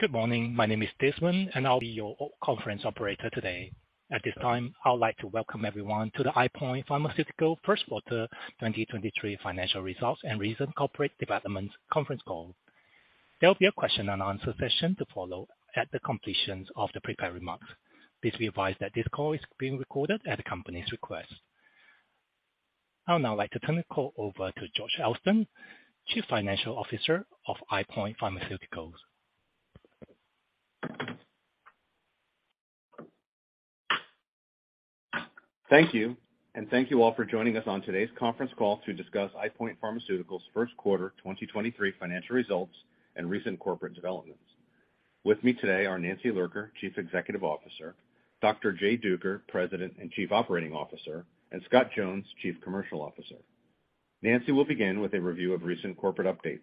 Good morning. My name is Desmond, I'll be your conference operator today. At this time, I would like to welcome everyone to the EyePoint Pharmaceuticals Q1 2023 Financial Results and Recent Corporate Developments conference call. There'll be a question and answer session to follow at the completion of the prepared remarks. Please be advised that this call is being recorded at the company's request. I would now like to turn the call over to George Elston, Chief Financial Officer of EyePoint Pharmaceuticals. Thank you. Thank you all for joining us on today's conference call to discuss EyePoint Pharmaceuticals' Q1 2023 financial results and recent corporate developments. With me today are Nancy Lurker, Chief Executive Officer, Dr. Jay Duker, President and Chief Operating Officer, and Scott Jones, Chief Commercial Officer. Nancy will begin with a review of recent corporate updates.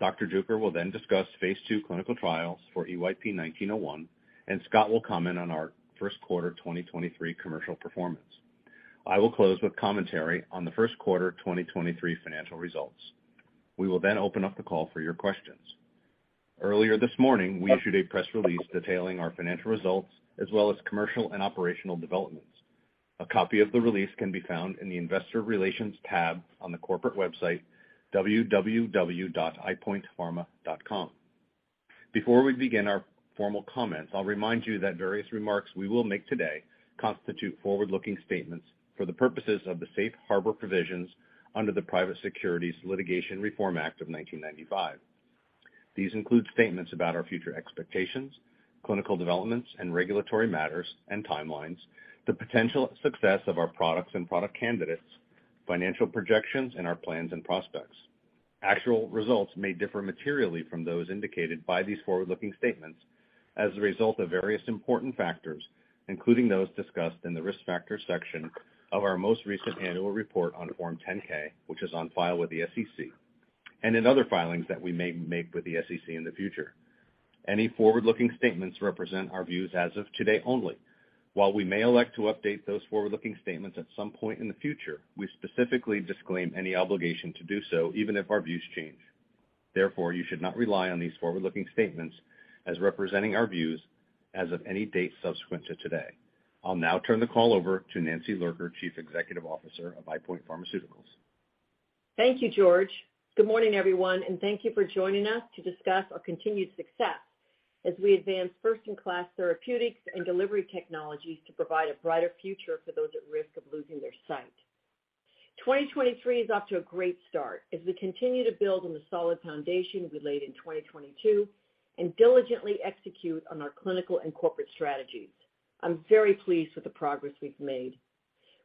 Dr. Duker will then discuss phase two clinical trials for EYP-1901, and Scott will comment on our Q1 2023 commercial performance. I will close with commentary on the Q1 2023 financial results. We will then open up the call for your questions. Earlier this morning, we issued a press release detailing our financial results as well as commercial and operational developments. A copy of the release can be found in the investor relations tab on the corporate website, www.eyepointpharma.com. Before we begin our formal comments, I'll remind you that various remarks we will make today constitute forward-looking statements for the purposes of the safe harbor provisions under the Private Securities Litigation Reform Act of 1995. These include statements about our future expectations, clinical developments, and regulatory matters and timelines, the potential success of our products and product candidates, financial projections, and our plans and prospects. Actual results may differ materially from those indicated by these forward-looking statements as a result of various important factors, including those discussed in the Risk Factors section of our most recent annual report on Form 10-K, which is on file with the SEC, and in other filings that we may make with the SEC in the future. Any forward-looking statements represent our views as of today only. While we may elect to update those forward-looking statements at some point in the future, we specifically disclaim any obligation to do so, even if our views change. Therefore, you should not rely on these forward-looking statements as representing our views as of any date subsequent to today. I'll now turn the call over to Nancy Lurker, Chief Executive Officer of EyePoint Pharmaceuticals. Thank you, George. Good morning, everyone, and thank you for joining us to discuss our continued success as we advance first-in-class therapeutics and delivery technologies to provide a brighter future for those at risk of losing their sight. 2023 is off to a great start as we continue to build on the solid foundation we laid in 2022 and diligently execute on our clinical and corporate strategies. I'm very pleased with the progress we've made.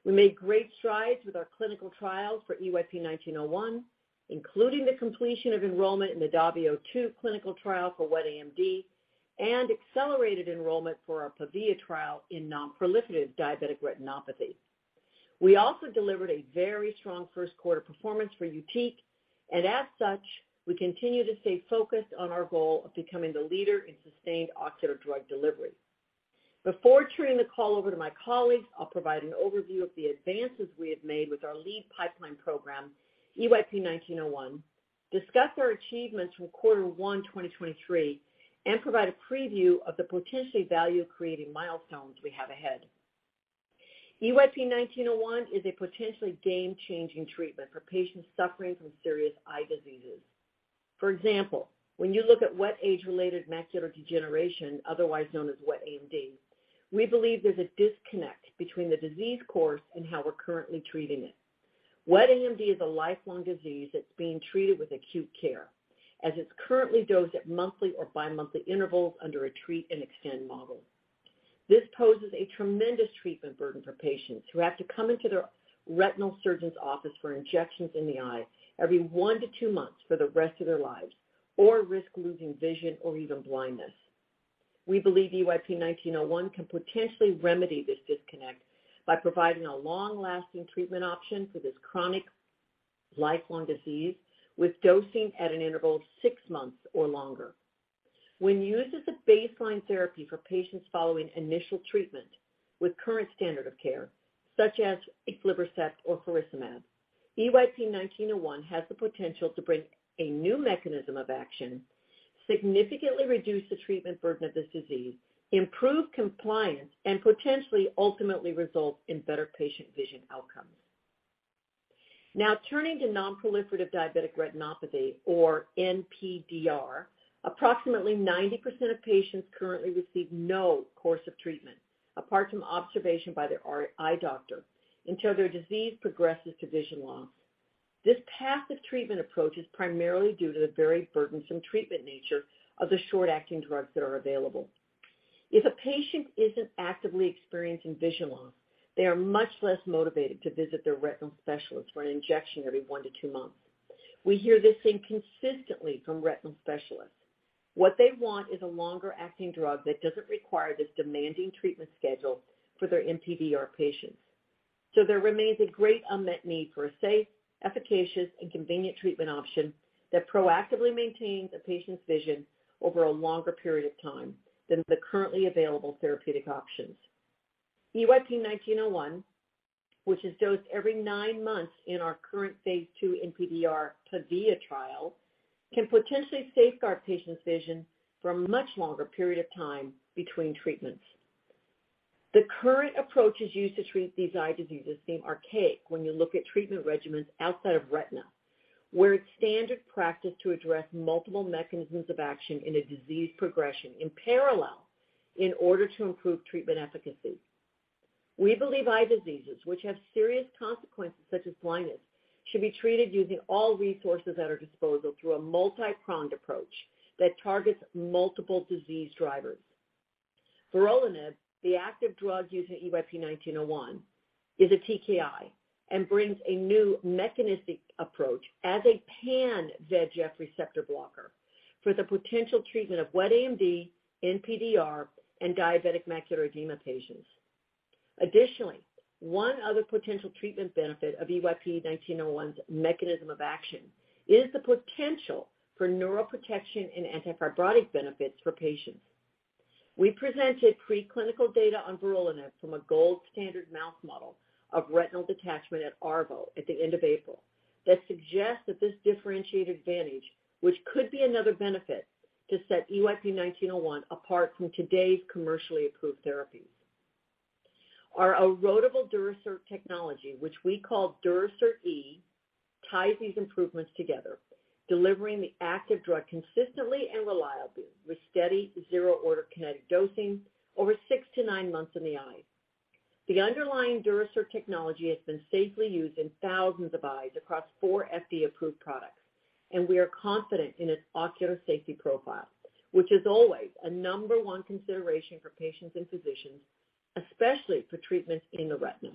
We made great strides with our clinical trials for EYP-1901, including the completion of enrollment in the DAVIO-2 clinical trial for wet AMD and accelerated enrollment for our PAVIA trial in non-proliferative diabetic retinopathy. We also delivered a very strong Q1 performance for YUTIQ, and as such, we continue to stay focused on our goal of becoming the leader in sustained ocular drug delivery. Before turning the call over to my colleagues, I'll provide an overview of the advances we have made with our lead pipeline program, EYP-1901, discuss our achievements from quarter one 2023, and provide a preview of the potentially value-creating milestones we have ahead. EYP-1901 is a potentially game-changing treatment for patients suffering from serious eye diseases. For example, when you look at wet age-related macular degeneration, otherwise known as wet AMD, we believe there's a disconnect between the disease course and how we're currently treating it. Wet AMD is a lifelong disease that's being treated with acute care, as it's currently dosed at monthly or bimonthly intervals under a treat and extend model. This poses a tremendous treatment burden for patients who have to come into their retinal surgeon's office for injections in the eye every one to two months for the rest of their lives or risk losing vision or even blindness. We believe EYP-1901 can potentially remedy this disconnect by providing a long-lasting treatment option for this chronic, lifelong disease with dosing at an interval of six months or longer. When used as a baseline therapy for patients following initial treatment with current standard of care, such as aflibercept or faricimab, EYP-1901 has the potential to bring a new mechanism of action, significantly reduce the treatment burden of this disease, improve compliance, and potentially ultimately result in better patient vision outcomes. Turning to non-proliferative diabetic retinopathy or NPDR, approximately 90% of patients currently receive no course of treatment apart from observation by their eye doctor until their disease progresses to vision loss. This passive treatment approach is primarily due to the very burdensome treatment nature of the short-acting drugs that are available. If a patient isn't actively experiencing vision loss, they are much less motivated to visit their retinal specialist for an injection every one to two months. We hear this thing consistently from retinal specialists. What they want is a longer-acting drug that doesn't require this demanding treatment schedule for their NPDR patients. There remains a great unmet need for a safe, efficacious, and convenient treatment option that proactively maintains a patient's vision over a longer period of time than the currently available therapeutic options. EYP-1901, which is dosed every nine months in our current Phase II NPDR PAVIA trial, can potentially safeguard patients' vision for a much longer period of time between treatments. The current approaches used to treat these eye diseases seem archaic when you look at treatment regimens outside of retina, where it's standard practice to address multiple mechanisms of action in a disease progression in parallel in order to improve treatment efficacy. We believe eye diseases which have serious consequences, such as blindness, should be treated using all resources at our disposal through a multi-pronged approach that targets multiple disease drivers. vorolanib, the active drug used in EYP-1901, is a TKI and brings a new mechanistic approach as a pan VEGF receptor blocker for the potential treatment of wet AMD, NPDR, and diabetic macular edema patients. Additionally, one other potential treatment benefit of EYP-1901's mechanism of action is the potential for neuroprotection and anti-fibrotic benefits for patients. We presented preclinical data on vorolanib from a gold standard mouse model of retinal detachment at ARVO at the end of April that suggests that this differentiated advantage, which could be another benefit to set EYP-1901 apart from today's commercially approved therapies. Our erodible Durasert technology, which we call Durasert E, ties these improvements together, delivering the active drug consistently and reliably with steady zero-order kinetic dosing over six to nine months in the eye. The underlying Durasert technology has been safely used in thousands of eyes across four FDA-approved products. We are confident in its ocular safety profile, which is always a number one consideration for patients and physicians, especially for treatments in the retina.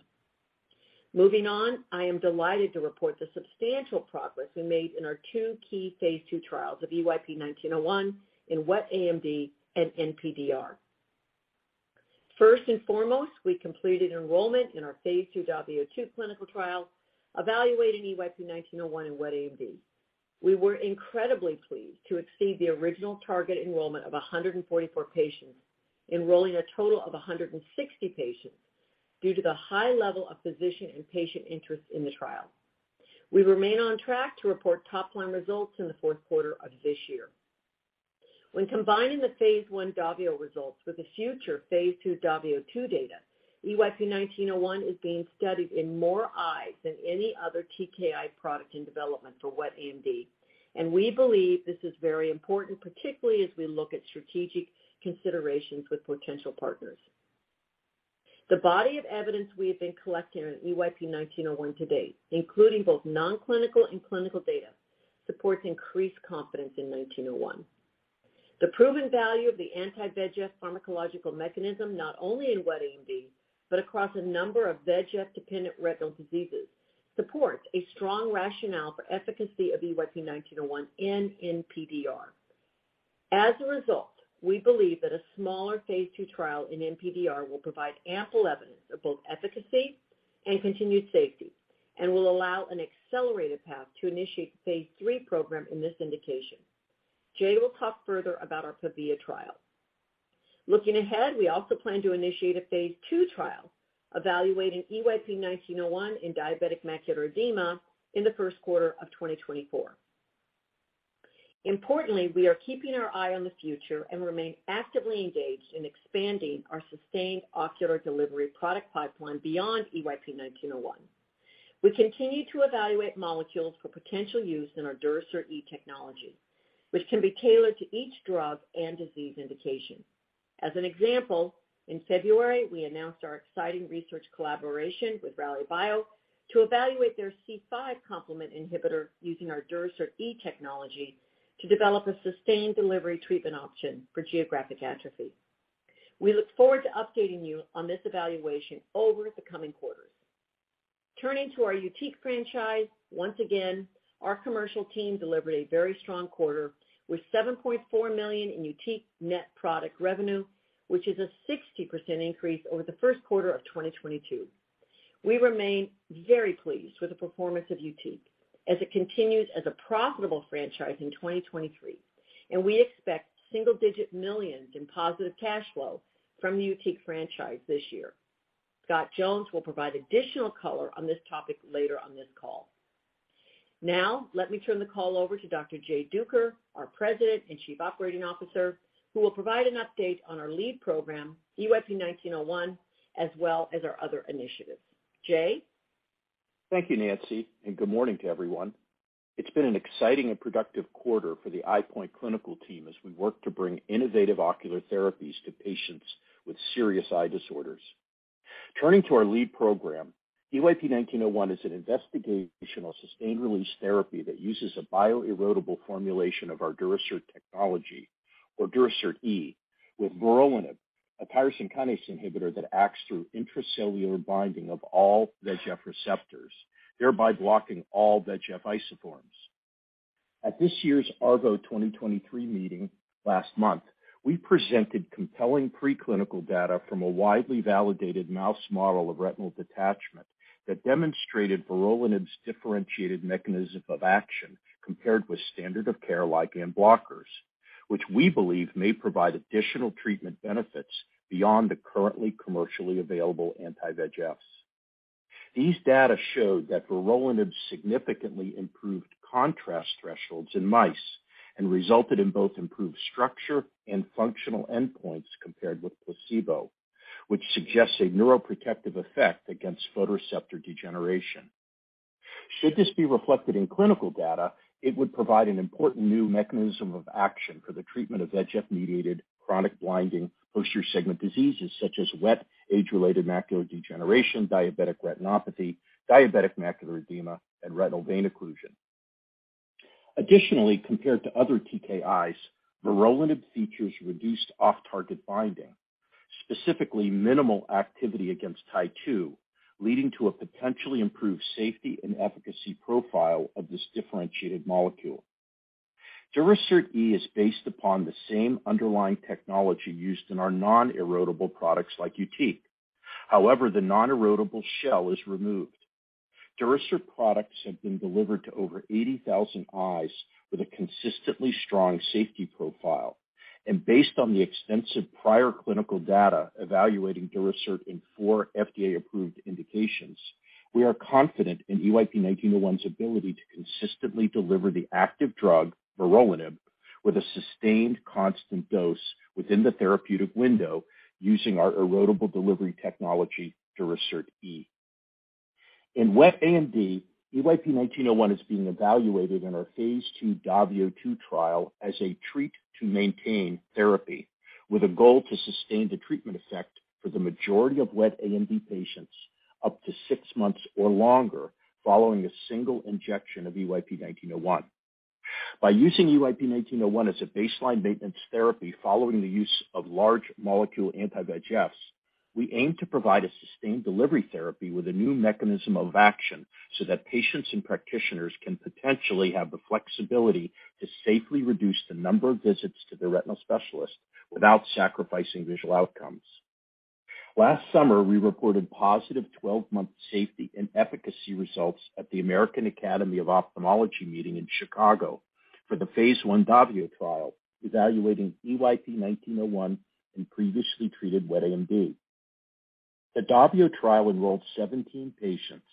Moving on, I am delighted to report the substantial progress we made in our two key Phase II trials of EYP-1901 in wet AMD and NPDR. First and foremost, we completed enrollment in our Phase II DAVIO2 clinical trial evaluating EYP-1901 in wet AMD. We were incredibly pleased to exceed the original target enrollment of 144 patients, enrolling a total of 160 patients due to the high level of physician and patient interest in the trial. We remain on track to report top-line results in the fourth quarter of this year. When combining the phase 1 DAVIO results with the future Phase II DAVIO2 data, EYP-1901 is being studied in more eyes than any other TKI product in development for wet AMD. We believe this is very important, particularly as we look at strategic considerations with potential partners. The body of evidence we have been collecting on EYP-1901 to date, including both non-clinical and clinical data, supports increased confidence in 1901. The proven value of the anti-VEGF pharmacological mechanism not only in wet AMD, but across a number of VEGF-dependent retinal diseases, supports a strong rationale for efficacy of EYP-1901 in NPDR. As a result, we believe that a smaller Phase II trial in NPDR will provide ample evidence of both efficacy and continued safety and will allow an accelerated path to initiate the Phase III program in this indication. Jay will talk further about our PAVIA trial. Looking ahead, we also plan to initiate a Phase II trial evaluating EYP-1901 in diabetic macular edema in the Q1 of 2024. Importantly, we are keeping our eye on the future and remain actively engaged in expanding our sustained ocular delivery product pipeline beyond EYP-1901. We continue to evaluate molecules for potential use in our Durasert E technology, which can be tailored to each drug and disease indication. As an example, in February, we announced our exciting research collaboration with Rallybio to evaluate their C5 complement inhibitor using our Durasert E technology to develop a sustained delivery treatment option for geographic atrophy. We look forward to updating you on this evaluation over the coming quarters. Turning to our YUTIQ franchise, once again, our commercial team delivered a very strong quarter with $7.4 million in YUTIQ net product revenue, which is a 60% increase over the Q1 of 2022. We remain very pleased with the performance of YUTIQ as it continues as a profitable franchise in 2023, and we expect single-digit millions in positive cash flow from the YUTIQ franchise this year. Scott Jones will provide additional color on this topic later on this call. Let me turn the call over to Dr. Jay Duker, our President and Chief Operating Officer, who will provide an update on our lead program, EYP-1901, as well as our other initiatives. Jay? Thank you, Nancy, good morning to everyone. It's been an exciting and productive quarter for the EyePoint clinical team as we work to bring innovative ocular therapies to patients with serious eye disorders. Turning to our lead program, EYP-1901 is an investigational sustained-release therapy that uses a bio-erodible formulation of our Durasert technology, or Durasert E, with vorolanib, a tyrosine kinase inhibitor that acts through intracellular binding of all VEGF receptors, thereby blocking all VEGF isoforms. At this year's ARVO 2023 meeting last month, we presented compelling preclinical data from a widely validated mouse model of retinal detachment that demonstrated vorolanib's differentiated mechanism of action. Compared with standard of care like in blockers, which we believe may provide additional treatment benefits beyond the currently commercially available anti-VEGFs. These data showed that vorolanib significantly improved contrast thresholds in mice and resulted in both improved structure and functional endpoints compared with placebo, which suggests a neuroprotective effect against photoreceptor degeneration. Should this be reflected in clinical data, it would provide an important new mechanism of action for the treatment of VEGF-mediated chronic blinding posterior segment diseases such as wet age-related macular degeneration, diabetic retinopathy, diabetic macular edema, and retinal vein occlusion. Compared to other TKIs, vorolanib features reduced off-target binding, specifically minimal activity against Tie 2, leading to a potentially improved safety and efficacy profile of this differentiated molecule. Durasert E is based upon the same underlying technology used in our non-erodible products like YUTIQ. The non-erodible shell is removed. Durasert products have been delivered to over 80,000 eyes with a consistently strong safety profile. Based on the extensive prior clinical data evaluating Durasert for FDA-approved indications, we are confident in EYP-1901's ability to consistently deliver the active drug, vorolanib, with a sustained constant dose within the therapeutic window using our erodible delivery technology, Durasert E. In wet AMD, EYP-1901 is being evaluated in our Phase II DAVIO 2 trial as a treat to maintain therapy with a goal to sustain the treatment effect for the majority of wet AMD patients up to six months or longer following a single injection of EYP-1901. By using EYP-1901 as a baseline maintenance therapy following the use of large molecule anti-VEGFs, we aim to provide a sustained delivery therapy with a new mechanism of action so that patients and practitioners can potentially have the flexibility to safely reduce the number of visits to their retinal specialist without sacrificing visual outcomes. Last summer, we reported positive 12-month safety and efficacy results at the American Academy of Ophthalmology meeting in Chicago for the phase I DAVIO trial evaluating EYP-1901 in previously treated wet AMD. The DAVIO trial enrolled 17 patients,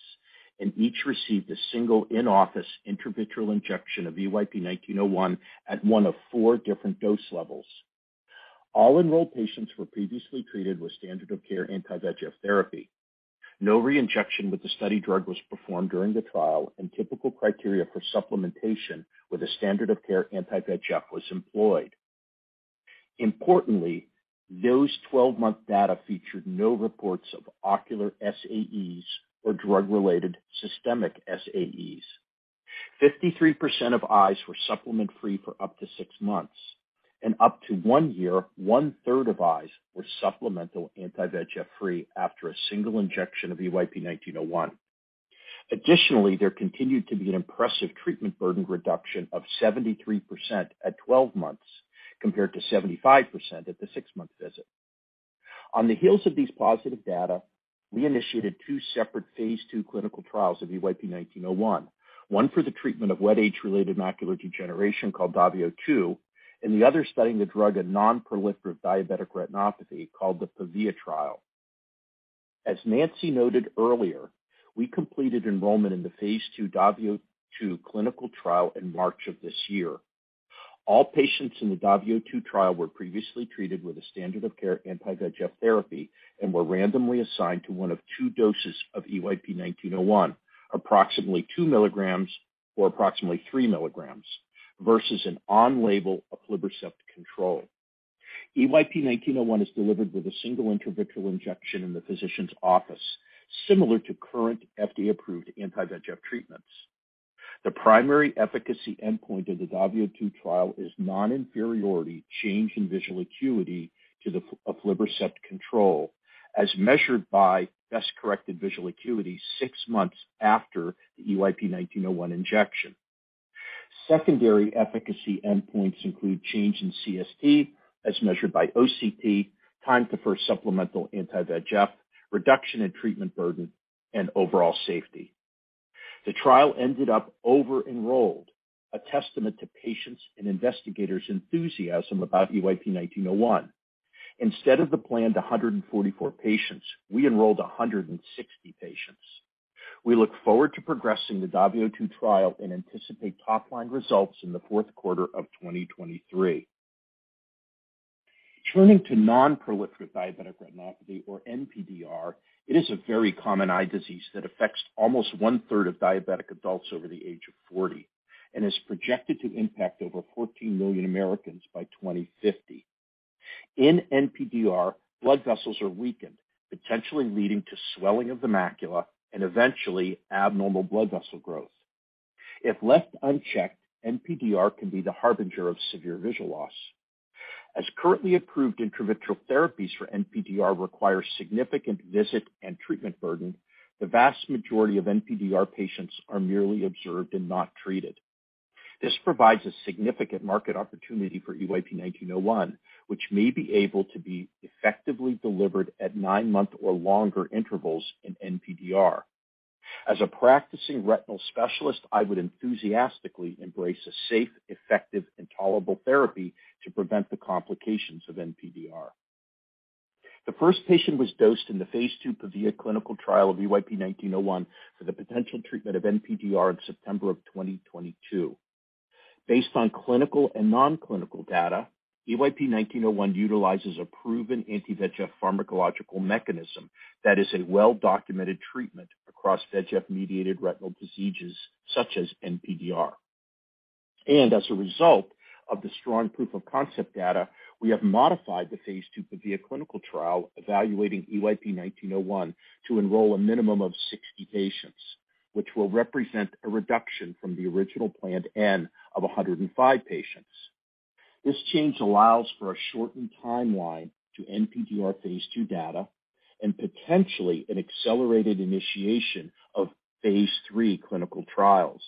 and each received a single in-office intravitreal injection of EYP-1901 at one of four different dose levels. All enrolled patients were previously treated with standard of care anti-VEGF therapy. No re-injection with the study drug was performed during the trial, and typical criteria for supplementation with a standard of care anti-VEGF was employed. Importantly, those 12-month data featured no reports of ocular SAEs or drug-related systemic SAEs. 53% of eyes were supplement-free for up to six months. Up to one year, one-third of eyes were supplemental anti-VEGF free after a single injection of EYP-1901. Additionally, there continued to be an impressive treatment burden reduction of 73% at 12 months compared to 75% at the six-month visit. On the heels of these positive data, we initiated two separate Phase II clinical trials of EYP-1901. One for the treatment of wet age-related macular degeneration called DAVIO2, and the other studying the drug a non-proliferative diabetic retinopathy called the PAVIA trial. As Nancy noted earlier, we completed enrollment in the Phase II DAVIO2 clinical trial in March of this year. All patients in the DAVIO2 trial were previously treated with a standard of care anti-VEGF therapy and were randomly assigned to 1 of 2 doses of EYP-1901, approximately 2 milligrams or approximately 3 milligrams versus an on-label aflibercept control. EYP-1901 is delivered with a single intravitreal injection in the physician's office, similar to current FDA-approved anti-VEGF treatments. The primary efficacy endpoint of the DAVIO2 trial is non-inferiority change in visual acuity to the aflibercept control as measured by best-corrected visual acuity six months after the EYP-1901 injection. Secondary efficacy endpoints include change in CST as measured by OCT, time to first supplemental anti-VEGF, reduction in treatment burden, and overall safety. The trial ended up over-enrolled, a testament to patients' and investigators' enthusiasm about EYP-1901. Instead of the planned 144 patients, we enrolled 160 patients. We look forward to progressing the DAVIO2 trial and anticipate top-line results in the fourth quarter of 2023. Turning to non-proliferative diabetic retinopathy or NPDR, it is a very common eye disease that affects almost one-third of diabetic adults over the age of 40 and is projected to impact over 14 million Americans by 2050. In NPDR, blood vessels are weakened, potentially leading to swelling of the macula and eventually abnormal blood vessel growth. If left unchecked, NPDR can be the harbinger of severe visual loss. As currently approved intravitreal therapies for NPDR require significant visit and treatment burden, the vast majority of NPDR patients are merely observed and not treated. This provides a significant market opportunity for EYP-1901, which may be able to be effectively delivered at nine-month or longer intervals in NPDR. As a practicing retinal specialist, I would enthusiastically embrace a safe, effective, and tolerable therapy to prevent the complications of NPDR. The first patient was dosed in the Phase II PAVIA clinical trial of EYP-1901 for the potential treatment of NPDR in September of 2022. Based on clinical and non-clinical data, EYP-1901 utilizes a proven anti-VEGF pharmacological mechanism that is a well-documented treatment across VEGF-mediated retinal diseases such as NPDR. As a result of the strong proof of concept data, we have modified the Phase II PAVIA clinical trial evaluating EYP-1901 to enroll a minimum of 60 patients, which will represent a reduction from the original planned N of 105 patients. This change allows for a shortened timeline to NPDR Phase II data and potentially an accelerated initiation of Phase III clinical trials.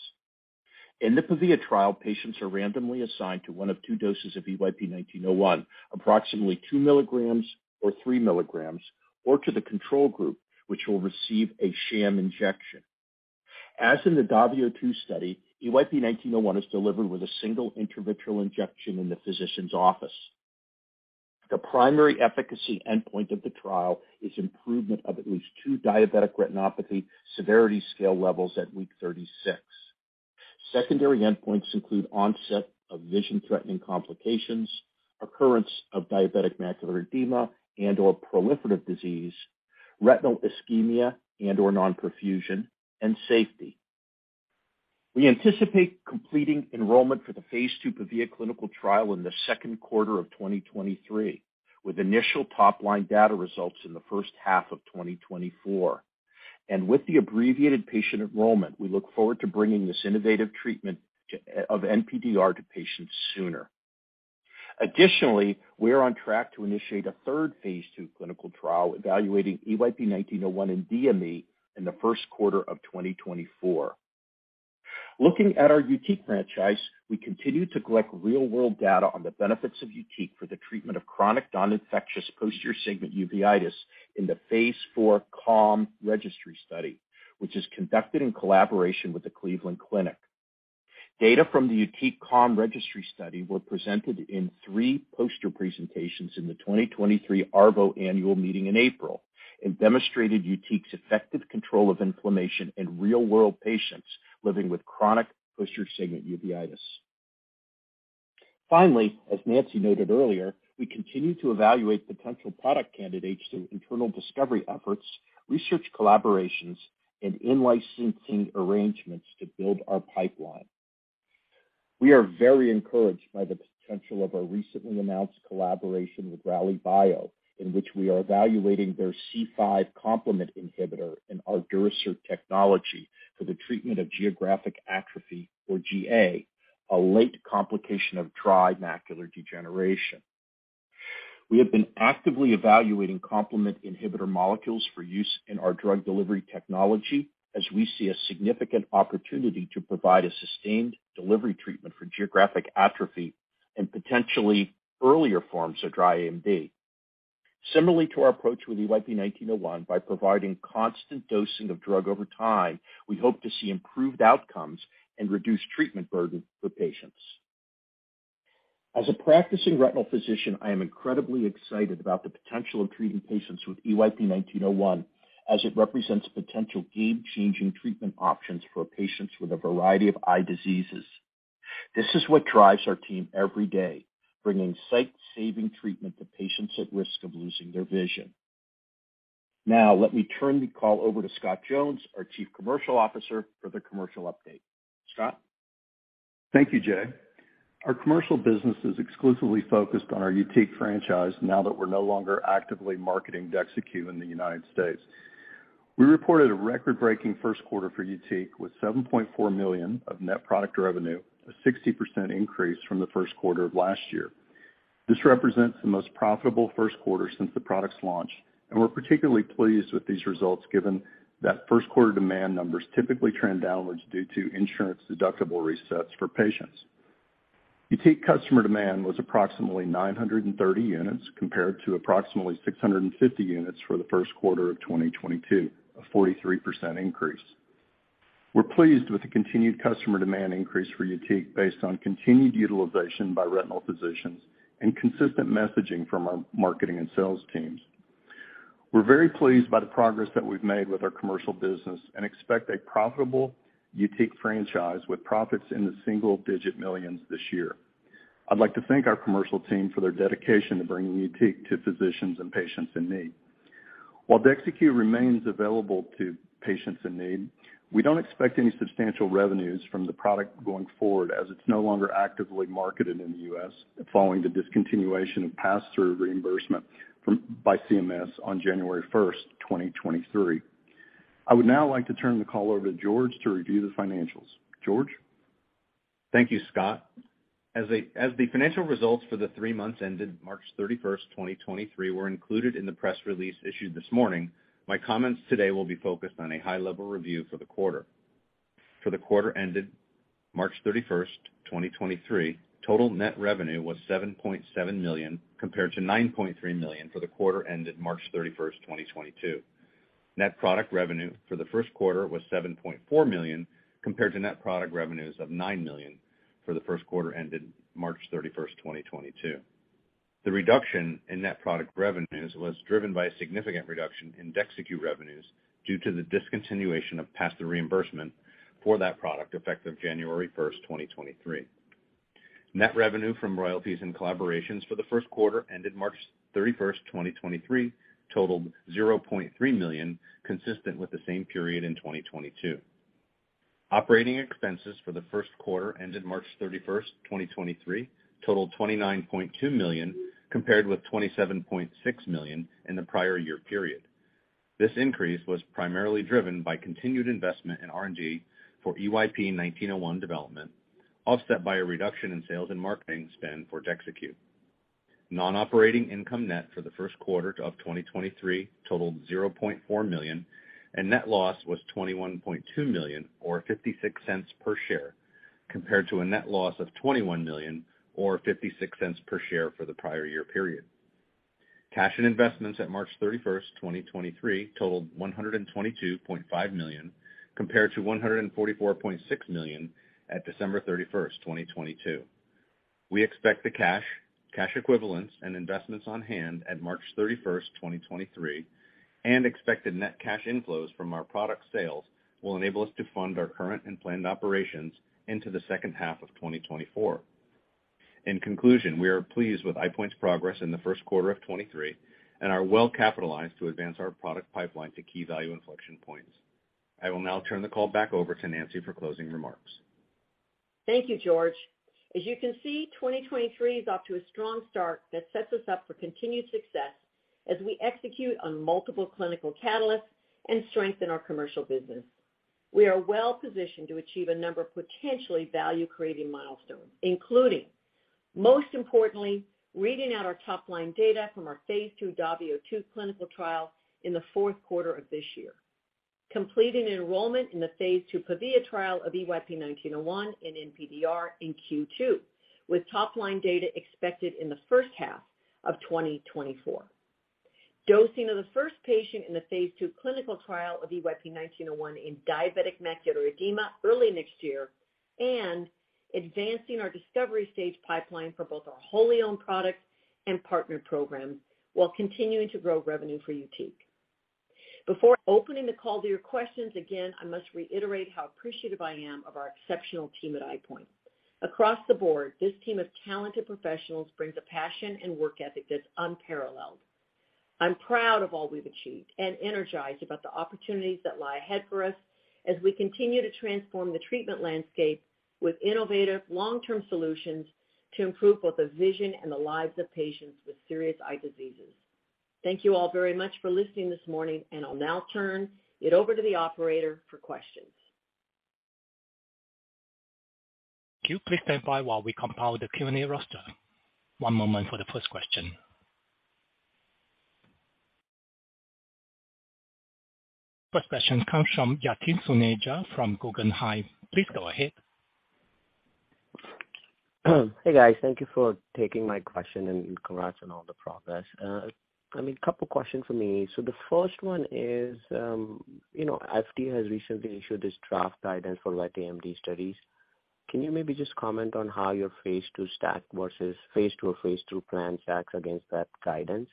In the PAVIA trial, patients are randomly assigned to one of two doses of EYP-1901, approximately 2 milligrams or 3 milligrams, or to the control group, which will receive a sham injection. As in the DAVIO 2 study, EYP-1901 is delivered with a single intravitreal injection in the physician's office. The primary efficacy endpoint of the trial is improvement of at least two diabetic retinopathy severity scale levels at week 36. Secondary endpoints include onset of vision-threatening complications, occurrence of diabetic macular edema and/or proliferative disease, retinal ischemia and/or non-perfusion, and safety. We anticipate completing enrollment for the Phase II PAVIA clinical trial in the second quarter of 2023, with initial top-line data results in the first half of 2024. With the abbreviated patient enrollment, we look forward to bringing this innovative treatment of NPDR to patients sooner. Additionally, we are on track to initiate a third Phase II clinical trial evaluating EYP-1901 in DME in the Q1 of 2024. Looking at our YUTIQ franchise, we continue to collect real-world data on the benefits of YUTIQ for the treatment of chronic non-infectious posterior segment uveitis in the Phase 4 CALM registry study, which is conducted in collaboration with the Cleveland Clinic. Data from the YUTIQ CALM registry study were presented in three poster presentations in the 2023 ARVO annual meeting in April and demonstrated YUTIQ's effective control of inflammation in real-world patients living with chronic posterior segment uveitis. Finally, as Nancy noted earlier, we continue to evaluate potential product candidates through internal discovery efforts, research collaborations, and in-licensing arrangements to build our pipeline. We are very encouraged by the potential of our recently announced collaboration with Rallybio, in which we are evaluating their C5 complement inhibitor in our Durasert technology for the treatment of geographic atrophy or GA, a late complication of dry macular degeneration. We have been actively evaluating complement inhibitor molecules for use in our drug delivery technology as we see a significant opportunity to provide a sustained delivery treatment for geographic atrophy and potentially earlier forms of dry AMD. Similarly to our approach with EYP-1901, by providing constant dosing of drug over time, we hope to see improved outcomes and reduce treatment burden for patients. As a practicing retinal physician, I am incredibly excited about the potential of treating patients with EYP-1901 as it represents potential game-changing treatment options for patients with a variety of eye diseases. This is what drives our team every day, bringing sight-saving treatment to patients at risk of losing their vision. Let me turn the call over to Scott Jones, our Chief Commercial Officer, for the commercial update. Scott? Thank you, Jay. Our commercial business is exclusively focused on our YUTIQ franchise now that we're no longer actively marketing DEXYCU in the United States. We reported a record-breaking Q1 for YUTIQ with $7.4 million of net product revenue, a 60% increase from the Q1 of last year. This represents the most profitable Q1 since the product's launch. We're particularly pleased with these results given that Q1 demand numbers typically trend downwards due to insurance deductible resets for patients. YUTIQ customer demand was approximately 930 units compared to approximately 650 units for the Q1 of 2022, a 43% increase. We're pleased with the continued customer demand increase for YUTIQ based on continued utilization by retinal physicians and consistent messaging from our marketing and sales teams. We're very pleased by the progress that we've made with our commercial business and expect a profitable YUTIQ franchise with profits in the single-digit millions this year. I'd like to thank our commercial team for their dedication to bringing YUTIQ to physicians and patients in need. While DEXYCU remains available to patients in need, we don't expect any substantial revenues from the product going forward as it's no longer actively marketed in the U.S. following the discontinuation of pass-through reimbursement by CMS on January 1, 2023. I would now like to turn the call over to George to review the financials. George? Thank you, Scott. As the financial results for the three months ended March 31st, 2023 were included in the press release issued this morning. My comments today will be focused on a high-level review for the quarter. For the quarter ended March 31st, 2023, total net revenue was $7.7 million compared to $9.3 million for the quarter ended March 31st, 2022. Net product revenue for the Q1 was $7.4 million compared to net product revenues of $9 million for the Q1 ended March 31st, 2022. The reduction in net product revenues was driven by a significant reduction in DEXYCU revenues due to the discontinuation of pass-through reimbursement for that product effective January 1st, 2023. Net revenue from royalties and collaborations for the Q1 ended March 31st, 2023 totaled $0.3 million, consistent with the same period in 2022. Operating expenses for the Q1 ended March 31st, 2023 totaled $29.2 million compared with $27.6 million in the prior year period. This increase was primarily driven by continued investment in R&D for EYP-1901 development, offset by a reduction in sales and marketing spend for DEXYCU. Non-operating income net for the Q1 of 2023 totaled $0.4 million, and net loss was $21.2 million or $0.56 per share, compared to a net loss of $21 million or $0.56 per share for the prior year period. Cash and investments at March 31st, 2023 totaled $122.5 million compared to $144.6 million at December 31st, 2022. We expect the cash equivalents and investments on hand at March 31st, 2023 and expected net cash inflows from our product sales will enable us to fund our current and planned operations into the second half of 2024. In conclusion, we are pleased with EyePoint's progress in the Q1 of 2023 and are well-capitalized to advance our product pipeline to key value inflection points. I will now turn the call back over to Nancy for closing remarks. Thank you, George. As you can see, 2023 is off to a strong start that sets us up for continued success as we execute on multiple clinical catalysts and strengthen our commercial business. We are well-positioned to achieve a number of potentially value-creating milestones, including, most importantly, reading out our top-line data from our Phase II DAVIO 2 clinical trial in the 4th quarter of this year, completing enrollment in the Phase II PAVIA trial of EYP-1901 in NPDR in Q2, with top-line data expected in the 1st half of 2024, dosing of the first patient in the Phase II clinical trial of EYP-1901 in diabetic macular edema early next year, and advancing our discovery stage pipeline for both our wholly owned products and partner programs while continuing to grow revenue for YUTIQ. Before opening the call to your questions, again, I must reiterate how appreciative I am of our exceptional team at EyePoint. Across the board, this team of talented professionals brings a passion and work ethic that's unparalleled. I'm proud of all we've achieved and energized about the opportunities that lie ahead for us as we continue to transform the treatment landscape with innovative long-term solutions to improve both the vision and the lives of patients with serious eye diseases. Thank you all very much for listening this morning. I'll now turn it over to the operator for questions. Please stand by while we compile the Q&A roster. One moment for the first question. First question comes from Yatin Suneja from Guggenheim. Please go ahead. Hey, guys. Thank you for taking my question and congrats on all the progress. I mean, a couple questions from me. The first one is, you know, FDA has recently issued this draft guidance for wet AMD studies. Can you maybe just comment on how your Phase II stack versus Phase II or Phase III plan stacks against that guidance?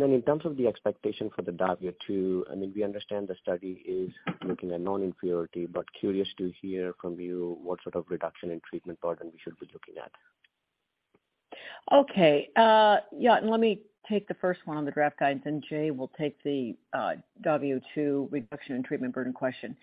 Then in terms of the expectation for the DAVIO 2, I mean, we understand the study is looking at non-inferiority, but curious to hear from you what sort of reduction in treatment burden we should be looking at. Yeah, let me take the first one on the draft guidance, and Jay will take the DAVIO2 reduction in treatment burden question.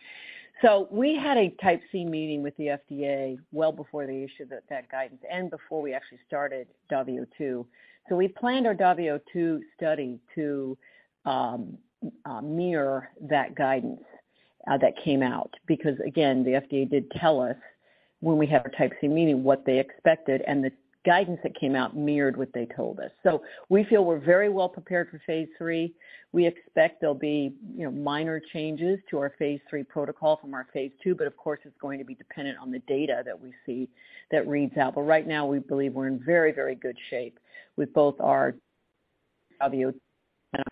We had a Type C meeting with the FDA well before they issued that guidance and before we actually started DAVIO2. We planned our DAVIO2 study to mirror that guidance that came out. Because again, the FDA did tell us when we had our Type C meeting what they expected, and the guidance that came out mirrored what they told us. We feel we're very well prepared for Phase III. We expect there'll be, you know, minor changes to our Phase III protocol from our Phase II, but of course, it's going to be dependent on the data that we see that reads out. Right now, we believe we're in very, very good shape with both our DAVIO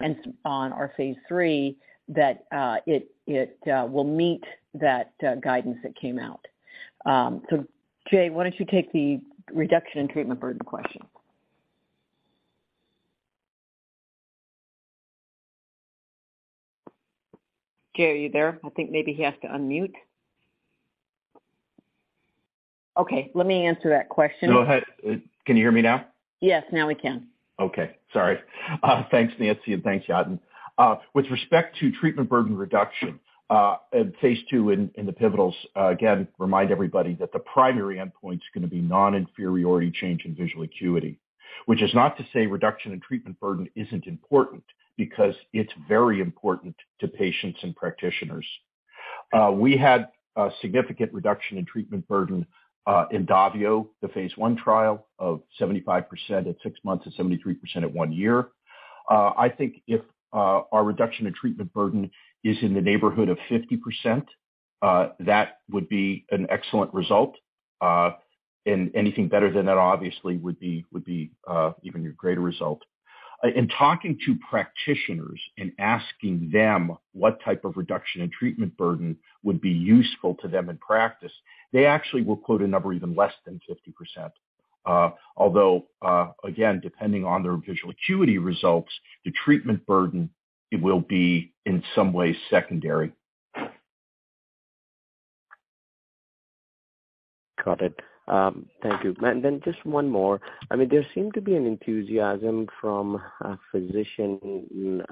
and on our Phase III that it will meet that guidance that came out. Jay, why don't you take the reduction in treatment burden question? Jay, are you there? I think maybe he has to unmute. Okay, let me answer that question. Go ahead. Can you hear me now? Yes, now we can. Okay, sorry. Thanks, Nancy, and thanks, Yatin. With respect to treatment burden reduction, at Phase II in the pivotals, again, remind everybody that the primary endpoint's gonna be non-inferiority change in visual acuity. Which is not to say reduction in treatment burden isn't important because it's very important to patients and practitioners. We had a significant reduction in treatment burden, in DAVIO, the phase 1 trial of 75% at six months and 73% at one year. I think if our reduction in treatment burden is in the neighborhood of 50%, that would be an excellent result. Anything better than that obviously would be even a greater result. In talking to practitioners and asking them what type of reduction in treatment burden would be useful to them in practice, they actually will quote a number even less than 50%. Although again, depending on their visual acuity results, the treatment burden, it will be in some way secondary. Got it. Thank you. Just one more. I mean, there seemed to be an enthusiasm from a physician,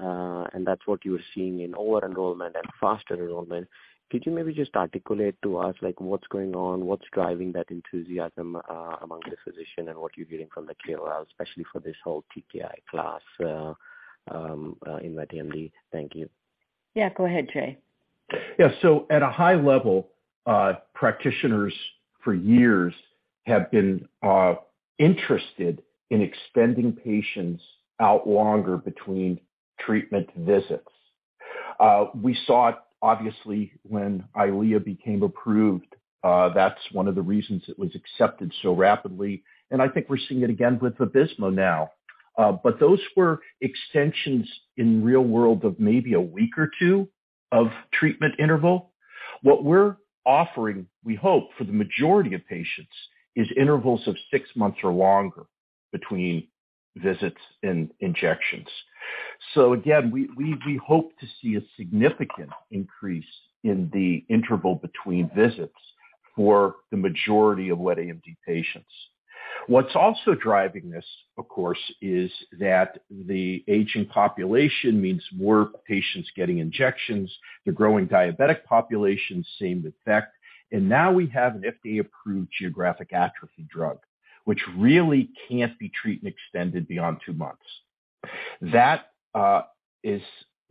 and that's what you're seeing in over-enrollment and faster enrollment. Could you maybe just articulate to us like what's going on, what's driving that enthusiasm, among the physician and what you're getting from the KOLs, especially for this whole TKI class, in wet AMD? Thank you. Yeah, go ahead, Jay. At a high level, practitioners for years have been interested in extending patients out longer between treatment visits. We saw it obviously when EYLEA became approved. That's one of the reasons it was accepted so rapidly, and I think we're seeing it again with Vabysmo now. Those were extensions in real world of maybe a week or two of treatment interval. What we're offering, we hope, for the majority of patients, is intervals of six months or longer between visits and injections. Again, we hope to see a significant increase in the interval between visits for the majority of wet AMD patients. What's also driving this, of course, is that the aging population means more patients getting injections. The growing diabetic population, same effect. Now we have an FDA-approved geographic atrophy drug, which really can't be treatment extended beyond two months. That is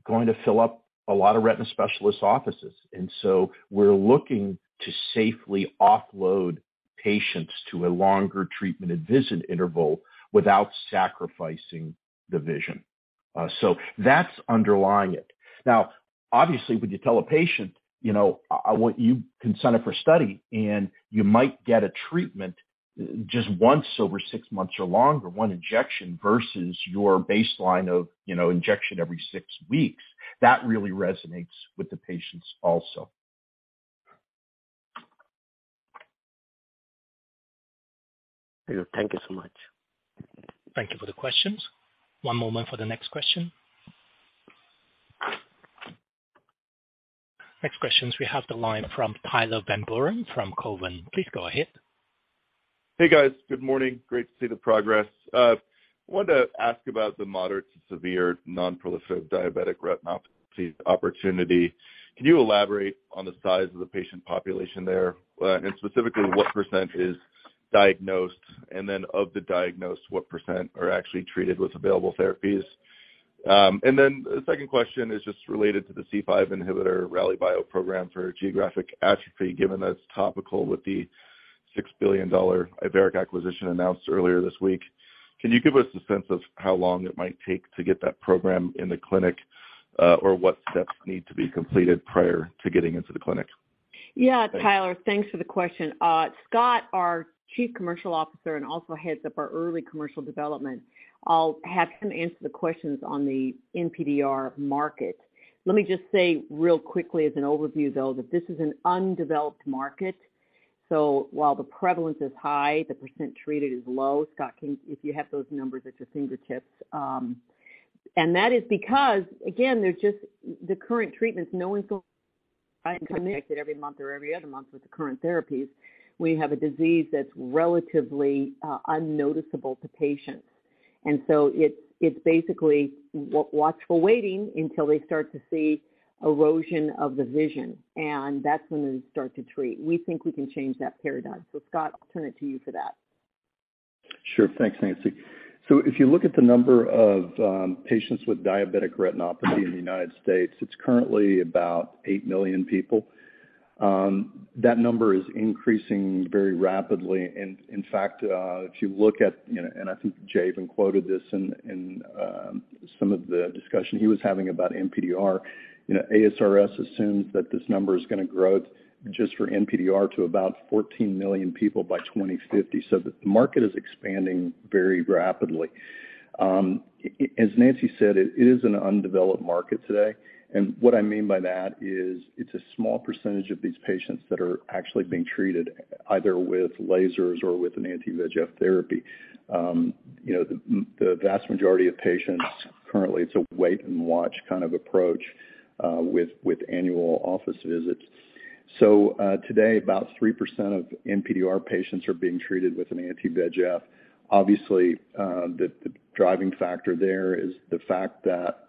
going to fill up a lot of retina specialist offices. So we're looking to safely offload patients to a longer treatment and visit interval without sacrificing the vision. So that's underlying it. Obviously, when you tell a patient, you know, I want you consented for study, you might get a treatment just once over six months or longer, one injection versus your baseline of, you know, injection every six weeks. That really resonates with the patients also. Thank you so much. Thank you for the questions. One moment for the next question. Next questions, we have the line from Tyler Van Buren from Cowen. Please go ahead. Hey, guys. Good morning. Great to see the progress. wanted to ask about the moderate to severe non-proliferative diabetic retinopathy opportunity. Can you elaborate on the size of the patient population there? and specifically, what percent is diagnosed? Of the diagnosed, what percent are actually treated with available therapies? The second question is just related to the C5 inhibitor Rallybio program for geographic atrophy, given that it's topical with the $6 billion Iveric Bio acquisition announced earlier this week. Can you give us a sense of how long it might take to get that program in the clinic, or what steps need to be completed prior to getting into the clinic? Yeah. Thanks. Tyler, thanks for the question. Scott, our Chief Commercial Officer, and also heads up our early commercial development, I'll have him answer the questions on the NPDR market. Let me just say real quickly as an overview, though, that this is an undeveloped market. While the prevalence is high, the % treated is low. Scott, if you have those numbers at your fingertips. That is because, again, there's just the current treatments, no one's going every month or every other month with the current therapies. We have a disease that's relatively unnoticeable to patients. It's, it's basically watchful waiting until they start to see erosion of the vision, and that's when they start to treat. We think we can change that paradigm. Scott, I'll turn it to you for that. Sure. Thanks, Nancy. If you look at the number of patients with diabetic retinopathy in the United States, it's currently about eight million people. That number is increasing very rapidly. In fact, if you look at, you know, I think Jay even quoted this in some of the discussion he was having about NPDR. You know, ASRS assumes that this number is going to grow just for NPDR to about 14 million people by 2050. The market is expanding very rapidly. As Nancy said, it is an undeveloped market today. What I mean by that is it's a small % of these patients that are actually being treated either with lasers or with an anti-VEGF therapy. You know, the vast majority of patients currently, it's a wait and watch kind of approach, with annual office visits. Today, about 3% of NPDR patients are being treated with an anti-VEGF. Obviously, the driving factor there is the fact that,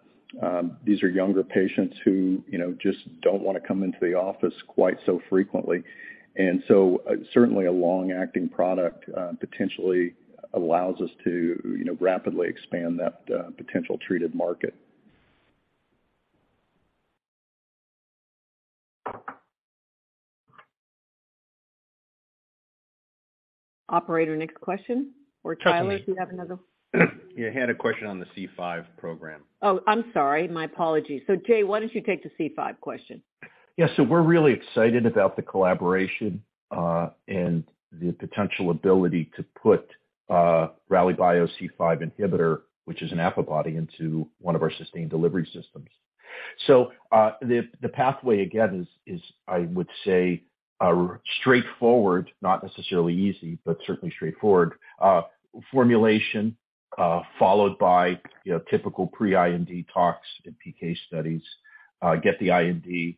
these are younger patients who, you know, just don't want to come into the office quite so frequently. Certainly a long-acting product, potentially allows us to, you know, rapidly expand that potential treated market. Operator, next question. Tyler, do you have another. Yeah, I had a question on the C5 program. Oh, I'm sorry. My apologies. Jay, why don't you take the C5 question? Yeah. We're really excited about the collaboration, and the potential ability to put Rallybio C5 inhibitor, which is an Affibody, into one of our sustained delivery systems. The pathway, again, is I would say straightforward, not necessarily easy, but certainly straightforward. Formulation, followed by, you know, typical pre-IND talks and PK studies. Get the IND,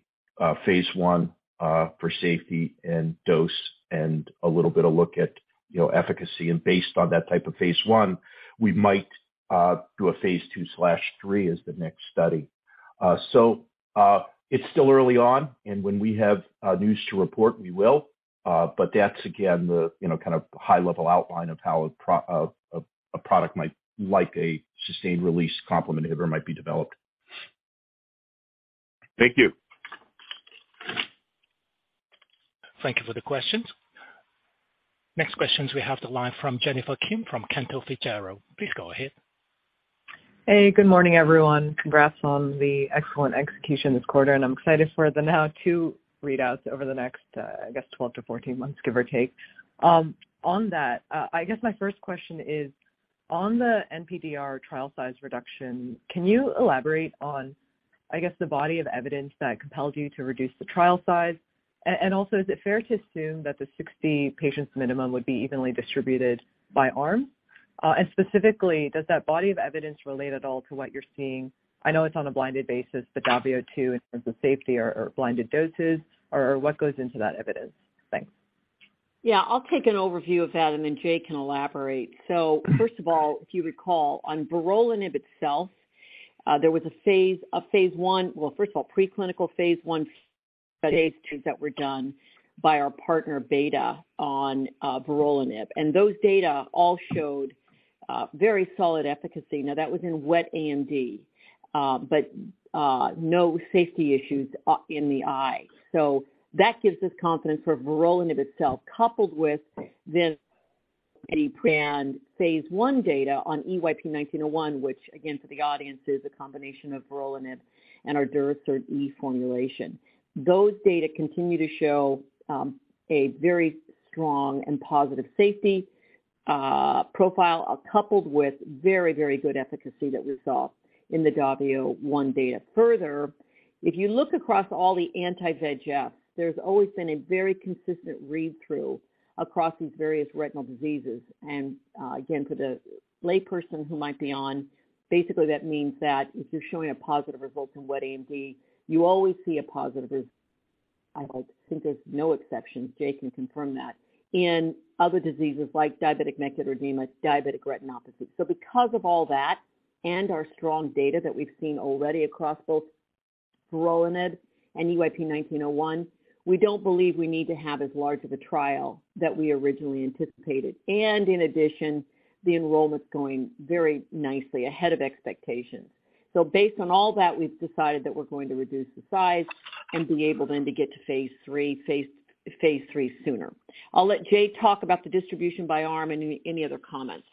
phase 1, for safety and dose and a little bit of look at, you know, efficacy. Based on that type of phase 1, we might do a phase II/III as the next study. It's still early on, and when we have news to report, we will. That's again the, you know, kind of high-level outline of how a product might like a sustained release complement inhibitor might be developed. Thank you. Thank you for the questions. Next questions we have to live from Jennifer Kim from Cantor Fitzgerald. Please go ahead. Good morning, everyone. Congrats on the excellent execution this quarter. I'm excited for the now two readouts over the next, I guess, 12-14 months, give or take. On that, I guess my first question is on the NPDR trial size reduction, can you elaborate on, I guess, the body of evidence that compelled you to reduce the trial size? Also, is it fair to assume that the 60 patients minimum would be evenly distributed by arm? Specifically, does that body of evidence relate at all to what you're seeing? I know it's on a blinded basis, the DAVIO 2 in terms of safety or blinded doses or what goes into that evidence? Thanks. Yeah. I'll take an overview of that. Jay can elaborate. First of all, if you recall, on vorolanib itself, there was a phase 1 preclinical phase 1 studies that were done by our partner Betta on vorolanib. Those data all showed very solid efficacy. Now, that was in wet AMD, no safety issues in the eye. That gives us confidence for vorolanib itself, coupled with this pre-planned phase 1 data on EYP-1901, which again, for the audience, is a combination of vorolanib and our Durasert E formulation. Those data continue to show a very strong and positive safety profile, coupled with very, very good efficacy that we saw in the DAVIO 1 data. Further, if you look across all the anti-VEGF, there's always been a very consistent read-through across these various retinal diseases. Again, to the layperson who might be on, basically that means that if you're showing a positive result in wet AMD, you always see a positive as.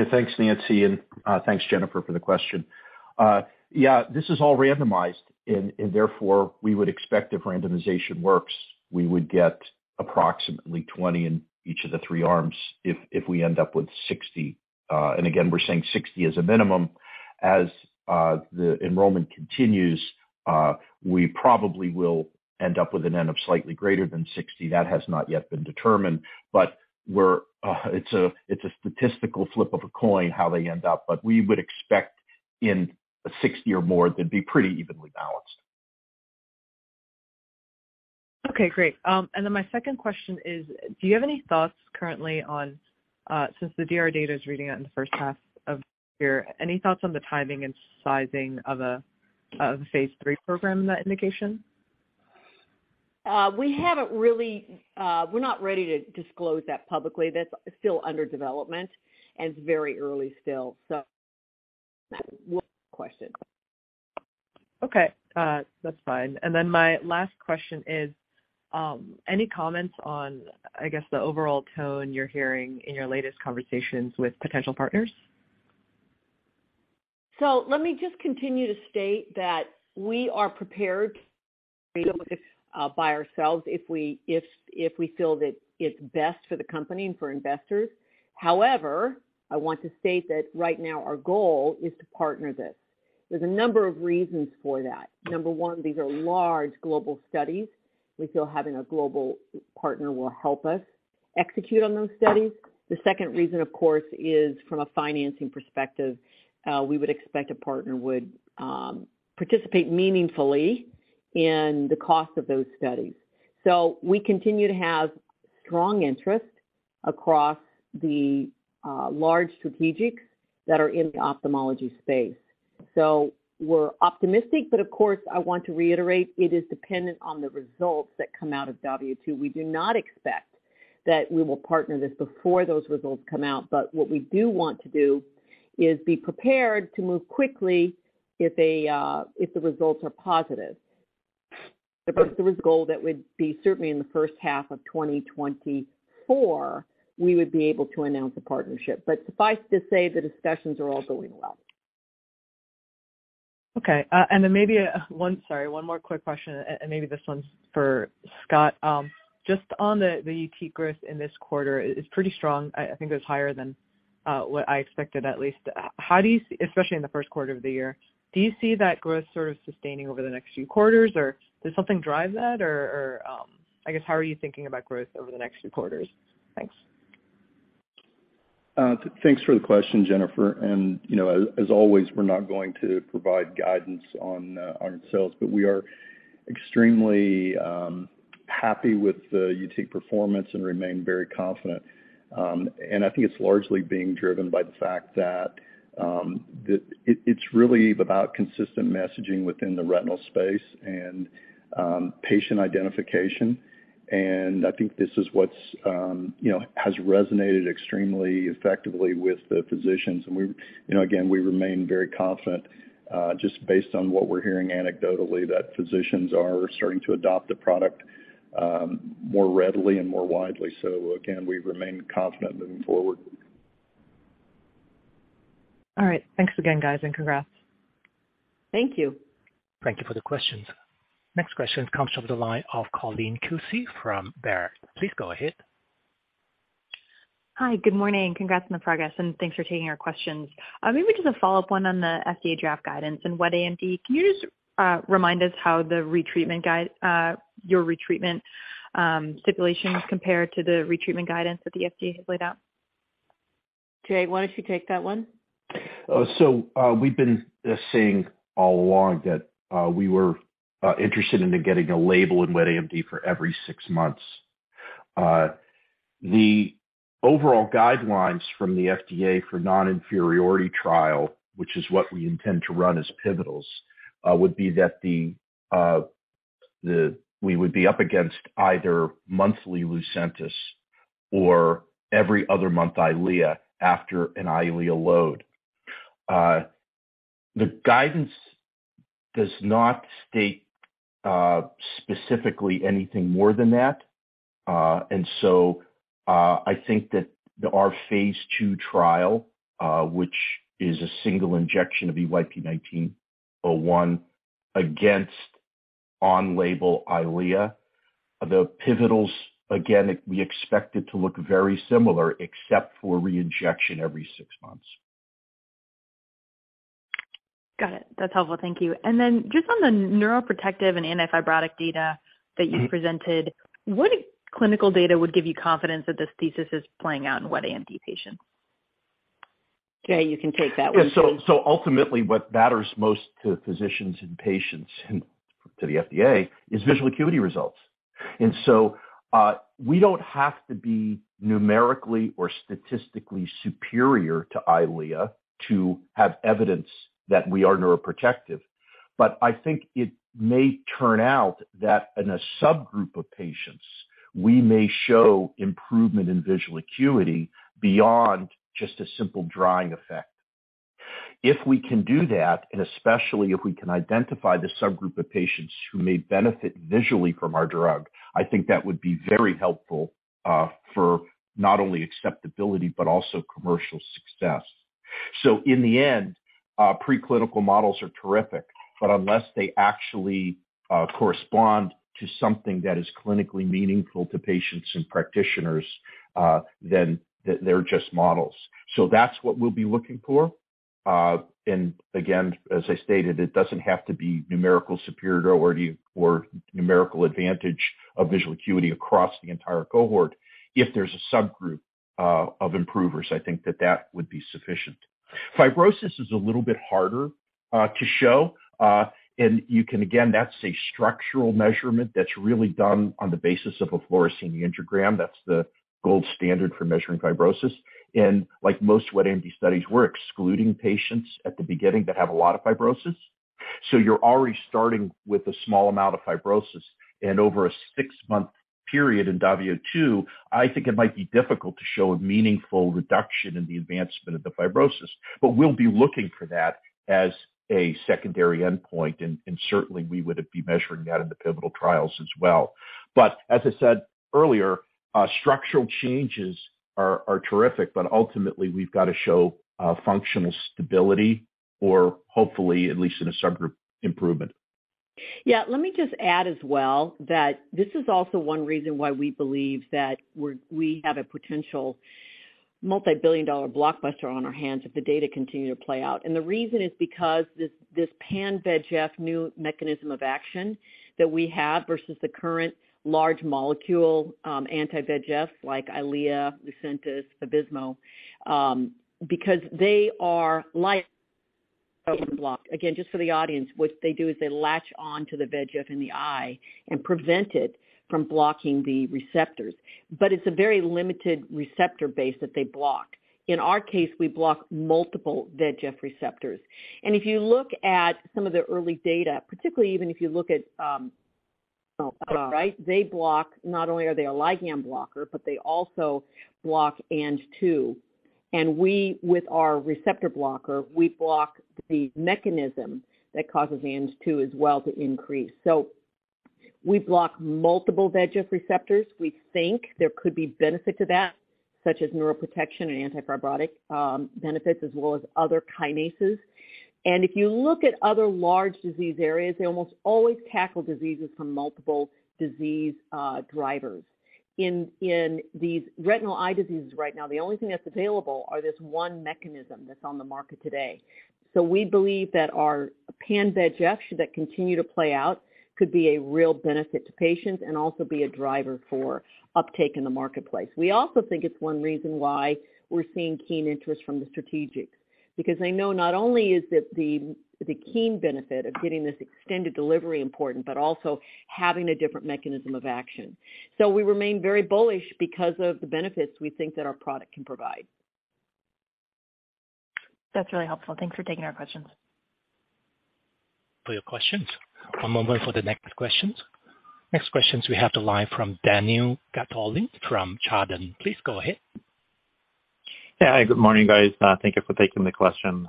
Hey, thanks, Nancy, and thanks Jennifer for the question. Yeah, this is all randomized and therefore we would expect if randomization works, we would get approximately 20 in each of the three arms if we end up with 60. Again, we're saying 60 as a minimum. As the enrollment continues, we probably will end up with an N of slightly greater than 60. That has not yet been determined, but we're. It's a statistical flip of a coin how they end up, but we would expect in a 60 or more they'd be pretty evenly balanced. Okay, great. My second question is, do you have any thoughts currently on, since the DR data is reading out in the first half of here, any thoughts on the timing and sizing of Phase III program in that indication? We haven't really, we're not ready to disclose that publicly. That's still under development and it's very early still. We'll question. Okay. That's fine. Then my last question is, any comments on, I guess, the overall tone you're hearing in your latest conversations with potential partners? Let me just continue to state that we are prepared to go it by ourselves if we feel that it's best for the company and for investors. However, I want to state that right now our goal is to partner this. There's a number of reasons for that. Number one, these are large global studies. We feel having a global partner will help us execute on those studies. The second reason, of course, is from a financing perspective, we would expect a partner would participate meaningfully in the cost of those studies. We continue to have strong interest across the large strategics that are in the ophthalmology space. We're optimistic, but of course, I want to reiterate it is dependent on the results that come out of DAVIO 2. We do not expect that we will partner this before those results come out. What we do want to do is be prepared to move quickly if the results are positive. If there was a goal that would be certainly in the first half of 2024, we would be able to announce a partnership. Suffice to say, the discussions are all going well. Okay. Then maybe one, sorry, one more quick question. Maybe this one's for Scott. Just on the YUTIQ growth in this quarter, it's pretty strong. I think it was higher than what I expected, at least. How do you see... especially in the Q1 of the year, do you see that growth sort of sustaining over the next few quarters, or does something drive that? Or, I guess, how are you thinking about growth over the next few quarters? Thanks. Thanks for the question, Jennifer. You know, as always, we're not going to provide guidance on sales. But we are extremely happy with the YUTIQ performance and remain very confident. I think it's largely being driven by the fact that it's really about consistent messaging within the retinal space and patient identification. I think this is what's, you know, has resonated extremely effectively with the physicians. We, you know, again, we remain very confident, just based on what we're hearing anecdotally that physicians are starting to adopt the product, more readily and more widely. Again, we remain confident moving forward. All right. Thanks again, guys, and congrats. Thank you. Thank you for the questions. Next question comes from the line of Colleen Kusy from Baird. Please go ahead. Hi. Good morning. Congrats on the progress, and thanks for taking our questions. Maybe just a follow-up one on the FDA draft guidance in wet AMD. Can you just remind us how the retreatment guide, your retreatment stipulations compare to the retreatment guidance that the FDA has laid out? Jay, why don't you take that one? We've been saying all along that we were interested in getting a label in wet AMD for every six months. The overall guidelines from the FDA for non-inferiority trial, which is what we intend to run as pivotals, would be that we would be up against either monthly LUCENTIS or every other month EYLEA after an EYLEA load. The guidance does not state specifically anything more than that. I think that our Phase II trial, which is a single injection of EYP-1901 against on-label EYLEA. The pivotals, again, we expect it to look very similar except for reinjection every six months. Got it. That's helpful. Thank you. Then just on the neuroprotective and antifibrotic data that you presented, what clinical data would give you confidence that this thesis is playing out in wet AMD patients? Jay, you can take that one too. Yeah. Ultimately, what matters most to physicians and patients and to the FDA is visual acuity results. We don't have to be numerically or statistically superior to EYLEA to have evidence that we are neuroprotective. I think it may turn out that in a subgroup of patients, we may show improvement in visual acuity beyond just a simple drying effect. If we can do that, and especially if we can identify the subgroup of patients who may benefit visually from our drug, I think that would be very helpful for not only acceptability but also commercial success. In the end, preclinical models are terrific, but unless they actually correspond to something that is clinically meaningful to patients and practitioners, then they're just models. That's what we'll be looking for. Again, as I stated, it doesn't have to be numerical superiority or numerical advantage of visual acuity across the entire cohort. If there's a subgroup of improvers, I think that that would be sufficient. Fibrosis is a little bit harder to show. You can, again, that's a structural measurement that's really done on the basis of a fluorescein angiogram. That's the gold standard for measuring fibrosis. Like most wet AMD studies, we're excluding patients at the beginning that have a lot of fibrosis. You're already starting with a small amount of fibrosis, and over a 6-month period in DAVIO 2, I think it might be difficult to show a meaningful reduction in the advancement of the fibrosis. We'll be looking for that as a secondary endpoint, and certainly we would be measuring that in the pivotal trials as well. As I said earlier, structural changes are terrific, but ultimately we've got to show functional stability or hopefully at least in a subgroup improvement. Yeah. Let me just add as well that this is also one reason why we believe that we have a potential multi-billion dollar blockbuster on our hands if the data continue to play out. The reason is because this pan VEGF new mechanism of action that we have versus the current large molecule, anti-VEGF like EYLEA, LUCENTIS, Avastin, because they are like blocked. Again, just for the audience, what they do is they latch on to the VEGF in the eye and prevent it from blocking the receptors. It's a very limited receptor base that they block. In our case, we block multiple VEGF receptors. If you look at some of the early data, particularly even if you look at, No, right. They block, not only are they a ligand blocker, but they also block Ang-2. We, with our receptor blocker, we block the mechanism that causes the Ang-2 as well to increase. We block multiple VEGF receptors. We think there could be benefit to that, such as neuroprotection and anti-fibrotic benefits as well as other kinases. If you look at other large disease areas, they almost always tackle diseases from multiple disease drivers. In these retinal eye diseases right now, the only thing that's available are this one mechanism that's on the market today. We believe that our pan-VEGF, should that continue to play out, could be a real benefit to patients and also be a driver for uptake in the marketplace. We also think it's one reason why we're seeing keen interest from the strategics, because they know not only is it the keen benefit of getting this extended delivery important, but also having a different mechanism of action. We remain very bullish because of the benefits we think that our product can provide. That's really helpful. Thanks for taking our questions. For your questions. One moment for the next questions. Next questions we have to live from Daniil Gataulin from Chardan. Please go ahead. Good morning, guys. Thank you for taking the question.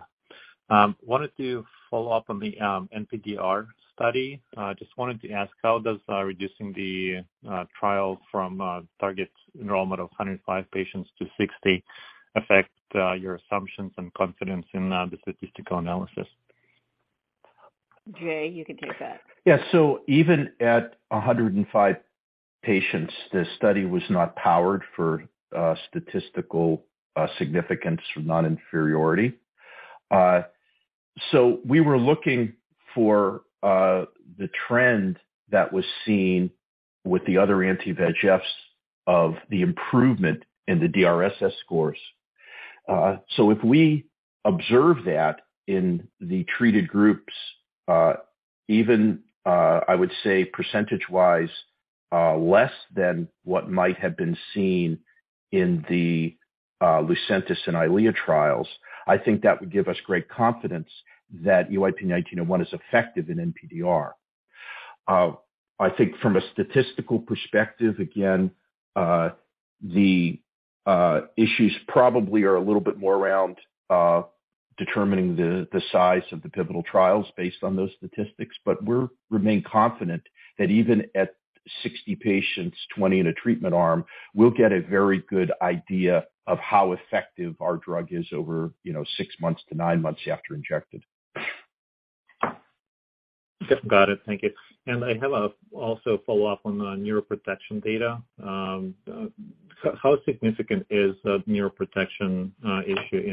Wanted to follow up on the NPDR study. Just wanted to ask, how does reducing the trial from target enrollment of 105 patients to 60 affect your assumptions and confidence in the statistical analysis? Jay, you can take that. Yeah. Even at 105 patients, the study was not powered for statistical significance for non-inferiority. We were looking for the trend that was seen with the other anti-VEGFs of the improvement in the DRSS scores. If we observe that in the treated groups, even, I would say percentage-wise, less than what might have been seen in the LUCENTIS and EYLEA trials, I think that would give us great confidence that EYP-1901 is effective in NPDR. I think from a statistical perspective, again, the issues probably are a little bit more around determining the size of the pivotal trials based on those statistics. We're remain confident that even at 60 patients, 20 in a treatment arm, we'll get a very good idea of how effective our drug is over, you know, six months to nine months after injected. Got it. Thank you. I have a also follow-up on the neuroprotection data. How significant is the neuroprotection issue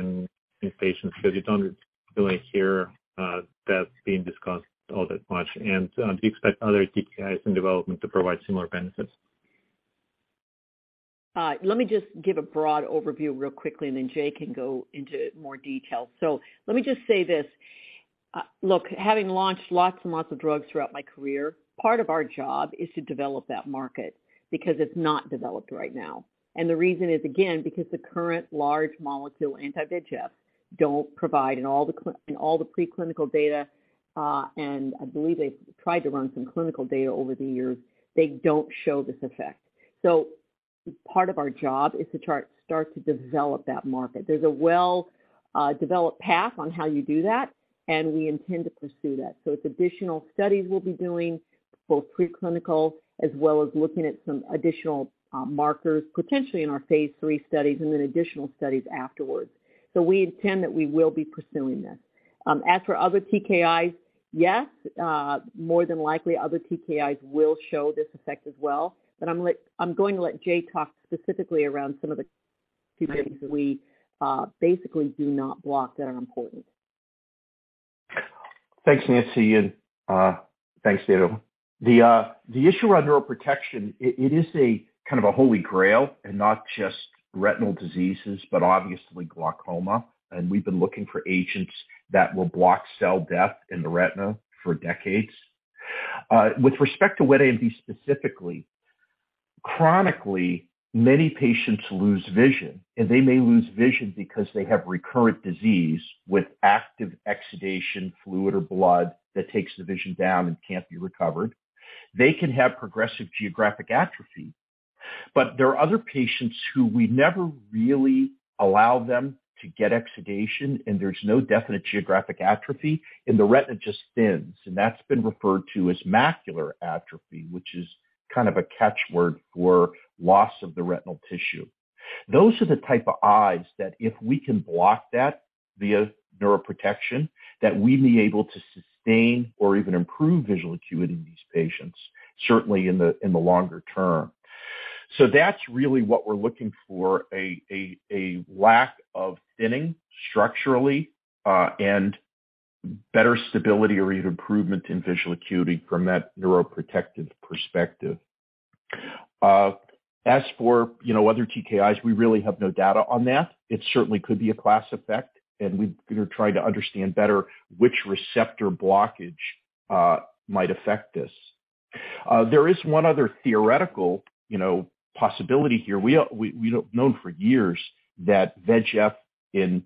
in patients? Because you don't really hear that being discussed all that much. Do you expect other TKIs in development to provide similar benefits? Let me just give a broad overview real quickly, and then Jay can go into more detail. Let me just say this. Look, having launched lots and lots of drugs throughout my career, part of our job is to develop that market because it's not developed right now. The reason is, again, because the current large molecule anti-VEGF don't provide in all the preclinical data, and I believe they've tried to run some clinical data over the years, they don't show this effect. Part of our job is to start to develop that market. There's a well developed path on how you do that, and we intend to pursue that. It's additional studies we'll be doing, both preclinical as well as looking at some additional markers, potentially in our Phase III studies and then additional studies afterwards. We intend that we will be pursuing this. As for other TKIs, yes, more than likely other TKIs will show this effect as well. I'm going to let Jay talk specifically around some of the TKIs that we basically do not block that are important. Thanks, Nancy, and thanks, Daniil. The issue around neuroprotection, it is a kind of a holy grail in not just retinal diseases, but obviously glaucoma. We've been looking for agents that will block cell death in the retina for decades. With respect to wet AMD specifically, chronically, many patients lose vision, and they may lose vision because they have recurrent disease with active exudation, fluid or blood that takes the vision down and can't be recovered. They can have progressive geographic atrophy. There are other patients who we never really allow them to get exudation, and there's no definite geographic atrophy, and the retina just thins. That's been referred to as macular atrophy, which is kind of a catch word for loss of the retinal tissue. Those are the type of eyes that if we can block that via neuroprotection, that we'd be able to sustain or even improve visual acuity in these patients, certainly in the longer term. That's really what we're looking for, a lack of thinning structurally, and better stability or even improvement in visual acuity from that neuroprotective perspective. As for, you know, other TKIs, we really have no data on that. It certainly could be a class effect, and we're going to try to understand better which receptor blockage might affect this. There is one other theoretical, you know, possibility here. We've known for years that VEGF in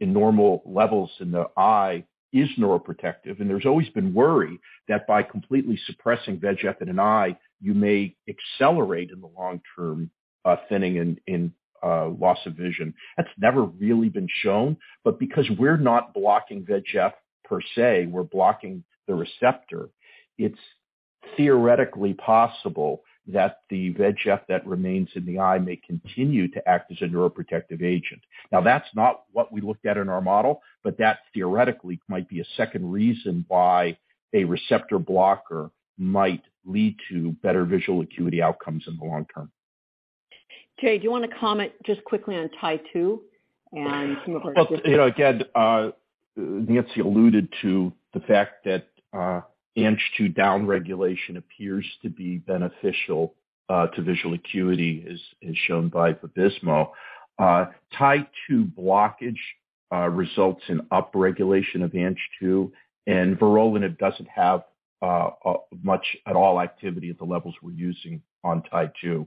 normal levels in the eye is neuroprotective, and there's always been worry that by completely suppressing VEGF in an eye, you may accelerate in the long term, thinning and loss of vision. That's never really been shown. Because we're not blocking VEGF per se, we're blocking the receptor, it's theoretically possible that the VEGF that remains in the eye may continue to act as a neuroprotective agent. That's not what we looked at in our model, but that theoretically might be a second reason why a receptor blocker might lead to better visual acuity outcomes in the long term. Jay, do you want to comment just quickly on Tie2? Well, you know, again, Nancy alluded to the fact that Ang-2 downregulation appears to be beneficial, to visual acuity as shown by Vabysmo. Tie2 blockage results in upregulation of Ang-2, and vorolanib doesn't have much at all activity at the levels we're using on Tie2.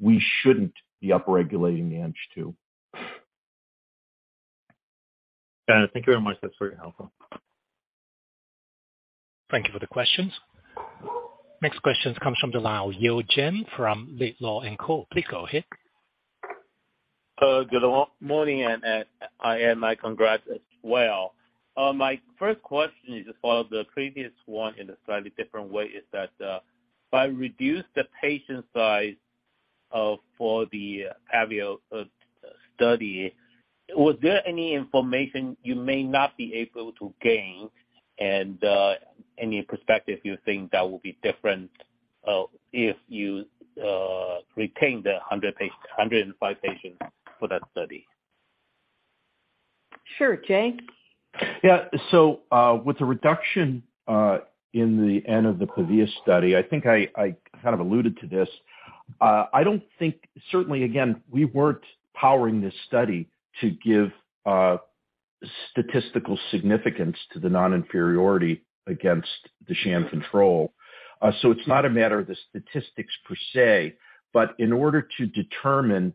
We shouldn't be upregulating Ang-2. Thank you very much. That's very helpful. Thank you for the questions. Next question comes from Yale Jen from Laidlaw & Co. Please go ahead. Good morning, I add my congrats as well. My first question is just follow the previous one in a slightly different way, is that by reduce the patient size for the DAVIO study, was there any information you may not be able to gain and any perspective you think that will be different if you retain the 105 patients for that study? Sure. Jay? With the reduction in the N of the PAVIA study, I think I kind of alluded to this. Certainly, again, we weren't powering this study to give statistical significance to the non-inferiority against the Sham control. It's not a matter of the statistics per se, but in order to determine the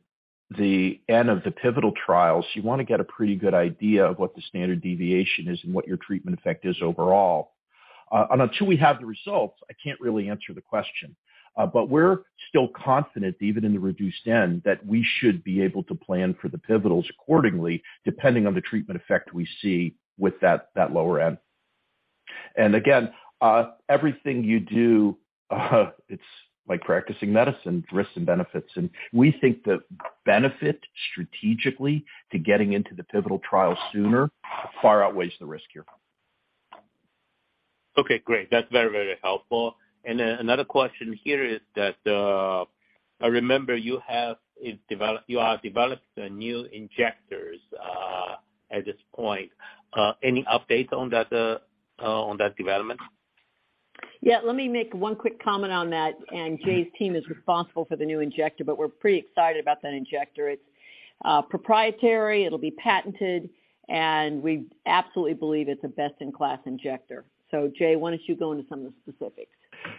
N of the pivotal trials, you wanna get a pretty good idea of what the standard deviation is and what your treatment effect is overall. Until we have the results, I can't really answer the question. We're still confident, even in the reduced end, that we should be able to plan for the pivotals accordingly, depending on the treatment effect we see with that lower end. Again, everything you do, it's like practicing medicine, risks and benefits. We think the benefit strategically to getting into the pivotal trial sooner far outweighs the risk here. Okay, great. That's very, very helpful. Another question here is that, I remember you have developed new injectors at this point. Any updates on that development? Yeah. Let me make one quick comment on that. Jay's team is responsible for the new injector, but we're pretty excited about that injector. It's proprietary, it'll be patented, and we absolutely believe it's a best-in-class injector. Jay, why don't you go into some of the specifics?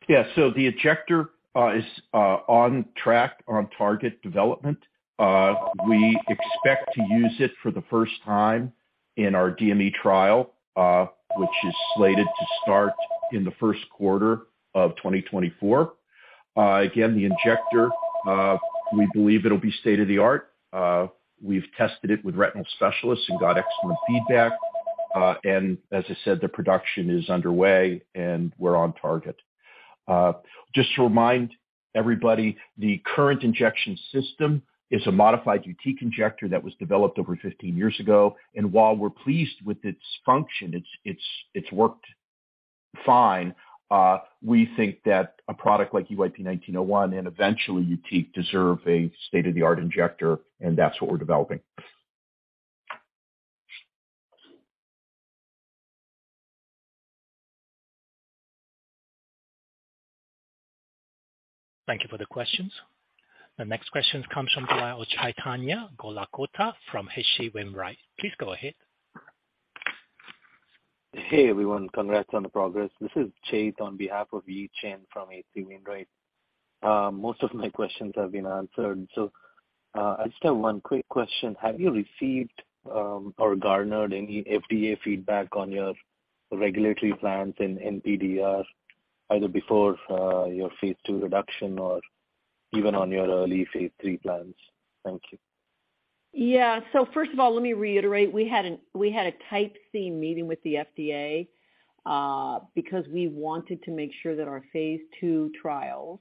Yeah. The injector is on track, on target development. We expect to use it for the first time in our DME trial, which is slated to start in the Q1 of 2024. Again, the injector, we believe it'll be state-of-the-art. We've tested it with retinal specialists and got excellent feedback. As I said, the production is underway, and we're on target. Just to remind everybody, the current injection system is a modified YUTIQ injector that was developed over 15 years ago. While we're pleased with its function, it's worked fine, we think that a product like EYP-1901 and eventually YUTIQ deserve a state-of-the-art injector, and that's what we're developing. Thank you for the questions. The next question comes from Chaitanya Golakota from H.C. Wainwright. Please go ahead. Hey, everyone. Congrats on the progress. This is Chet on behalf of Yi Chen from H.C. Wainwright. Most of my questions have been answered. I just have 1 quick question. Have you received or garnered any FDA feedback on your regulatory plans in NPDR either before your Phase II reduction or even on your early Phase III plans? Thank you. Yeah. First of all, let me reiterate, we had a Type C meeting with the FDA, because we wanted to make sure that our phase two trials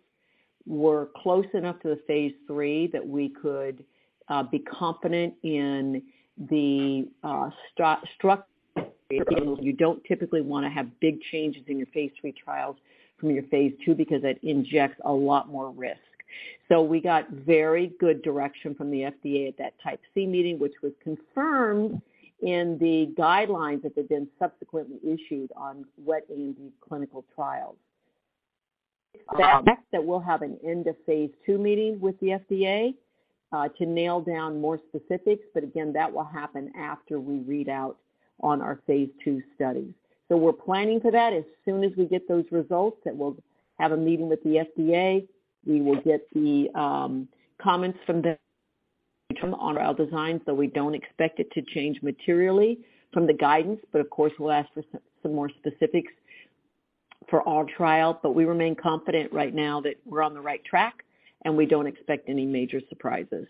were close enough to the phase three that we could be confident in the structure. You don't typically wanna have big changes in your phase three trials from your phase two because that injects a lot more risk. We got very good direction from the FDA at that Type C meeting, which was confirmed in the guidelines that have been subsequently issued on wet AMD clinical trials. That we'll have an end of phase two meeting with the FDA, to nail down more specifics, but again, that will happen after we read out on our phase two studies. We're planning for that. As soon as we get those results, we'll have a meeting with the FDA. We will get the comments from them on our design, we don't expect it to change materially from the guidance, but of course, we'll ask for some more specifics for our trial. We remain confident right now that we're on the right track, and we don't expect any major surprises.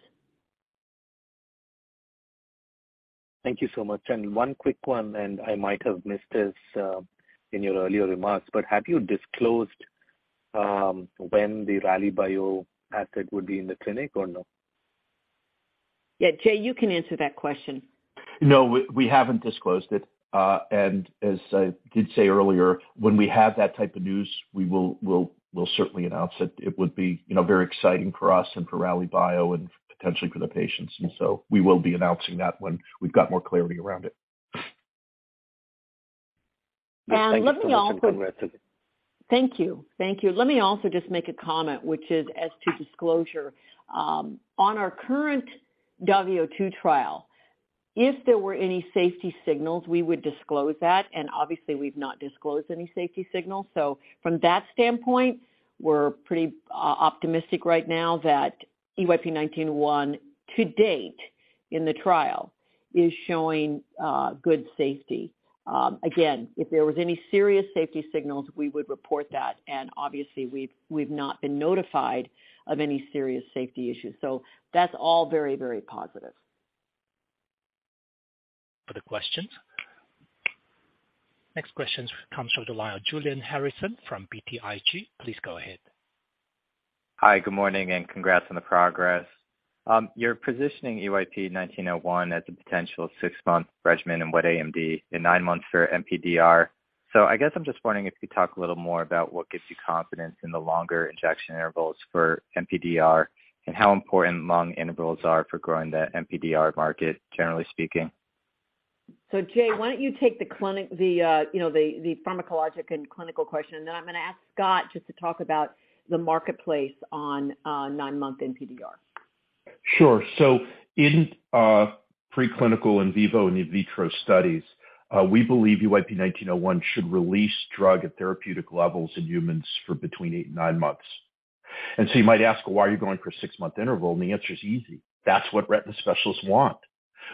Thank you so much. One quick one, and I might have missed this, in your earlier remarks, but have you disclosed, when the RallyBio asset would be in the clinic or no? Yeah. Jay, you can answer that question. No, we haven't disclosed it. As I did say earlier, when we have that type of news, we will certainly announce it. It would be, you know, very exciting for us and for RallyBio and potentially for the patients. So we will be announcing that when we've got more clarity around it. Thank you so much. Congrats again. Thank you. Thank you. Let me also just make a comment, which is as to disclosure. On our current DAVIO 2 trial, if there were any safety signals, we would disclose that, and obviously we've not disclosed any safety signals. From that standpoint, we're pretty optimistic right now that EYP-1901 to date in the trial is showing good safety. Again, if there was any serious safety signals, we would report that, and obviously we've not been notified of any serious safety issues. That's all very, very positive. For the questions. Next questions comes from the line of Julian Harrison from BTIG. Please go ahead. Hi. Good morning, congrats on the progress. You're positioning EYP-1901 as a potential 6-month regimen in wet AMD in nine months for NPDR. I guess I'm just wondering if you could talk a little more about what gives you confidence in the longer injection intervals for NPDR and how important long intervals are for growing the NPDR market, generally speaking. Jay, why don't you take the, you know, the pharmacologic and clinical question, and then I'm gonna ask Scott just to talk about the marketplace on nine-month NPDR. Sure. In preclinical in vivo and in vitro studies, we believe EYP-1901 should release drug at therapeutic levels in humans for between eight and nine months. You might ask, "Well, why are you going for a six-month interval?" The answer is easy. That's what retina specialists want.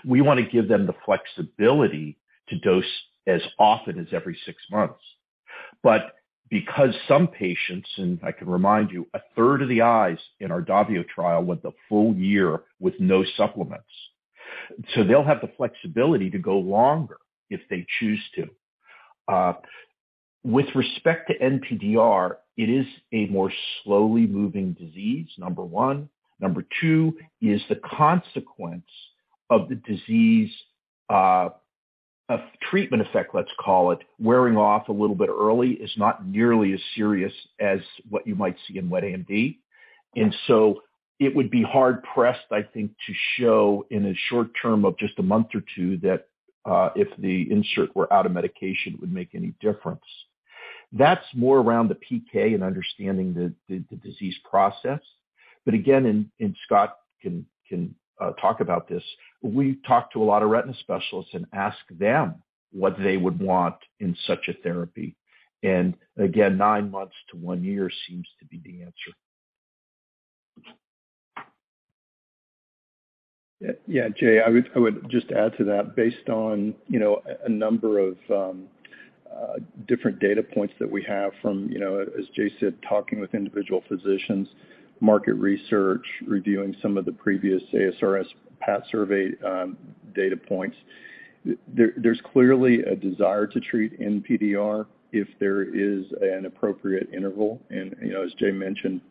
We wanna give them the flexibility to dose as often as every six months. Because some patients, and I can remind you, a third of the eyes in our DAVIO trial went the full year with no supplements. They'll have the flexibility to go longer if they choose to. With respect to NPDR, it is a more slowly moving disease, number one. Number two is the consequence of the disease, of treatment effect, let's call it, wearing off a little bit early is not nearly as serious as what you might see in wet AMD. It would be hard pressed, I think, to show in a short term of just one month or two that, if the insert were out of medication would make any difference. That's more around the PK and understanding the disease process. Again, and Scott can talk about this. We've talked to a lot of retina specialists and asked them what they would want in such a therapy. Again, nine months to one year seems to be the answer. Yeah. Yeah, Jay, I would just add to that. Based on a number of different data points that we have from, as Jay said, talking with individual physicians, market research, reviewing some of the previous ASRS PAT Survey data points. There's clearly a desire to treat NPDR if there is an appropriate interval. As Jay mentioned,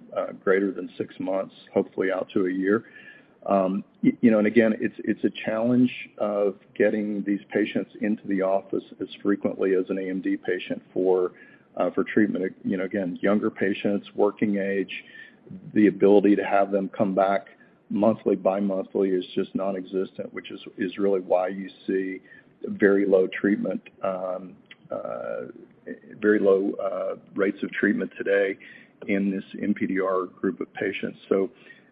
greater than 6 months, hopefully out to one year. Again, it's a challenge of getting these patients into the office as frequently as an AMD patient for treatment. Again, younger patients, working age, the ability to have them come back monthly, bimonthly is just nonexistent, which is really why you see very low treatment, very low rates of treatment today in this NPDR group of patients.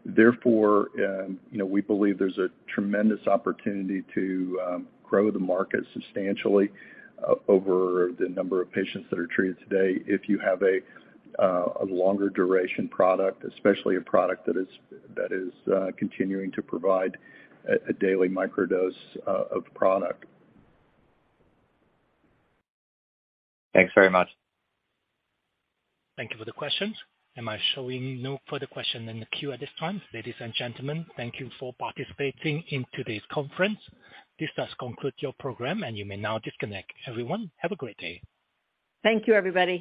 Therefore, you know, we believe there's a tremendous opportunity to grow the market substantially over the number of patients that are treated today if you have a longer duration product, especially a product that is continuing to provide a daily microdose of product. Thanks very much. Thank you for the questions. Am I showing no further questions in the queue at this time. Ladies and gentlemen, thank you for participating in today's conference. This does conclude your program, and you may now disconnect. Everyone, have a great day. Thank you, everybody.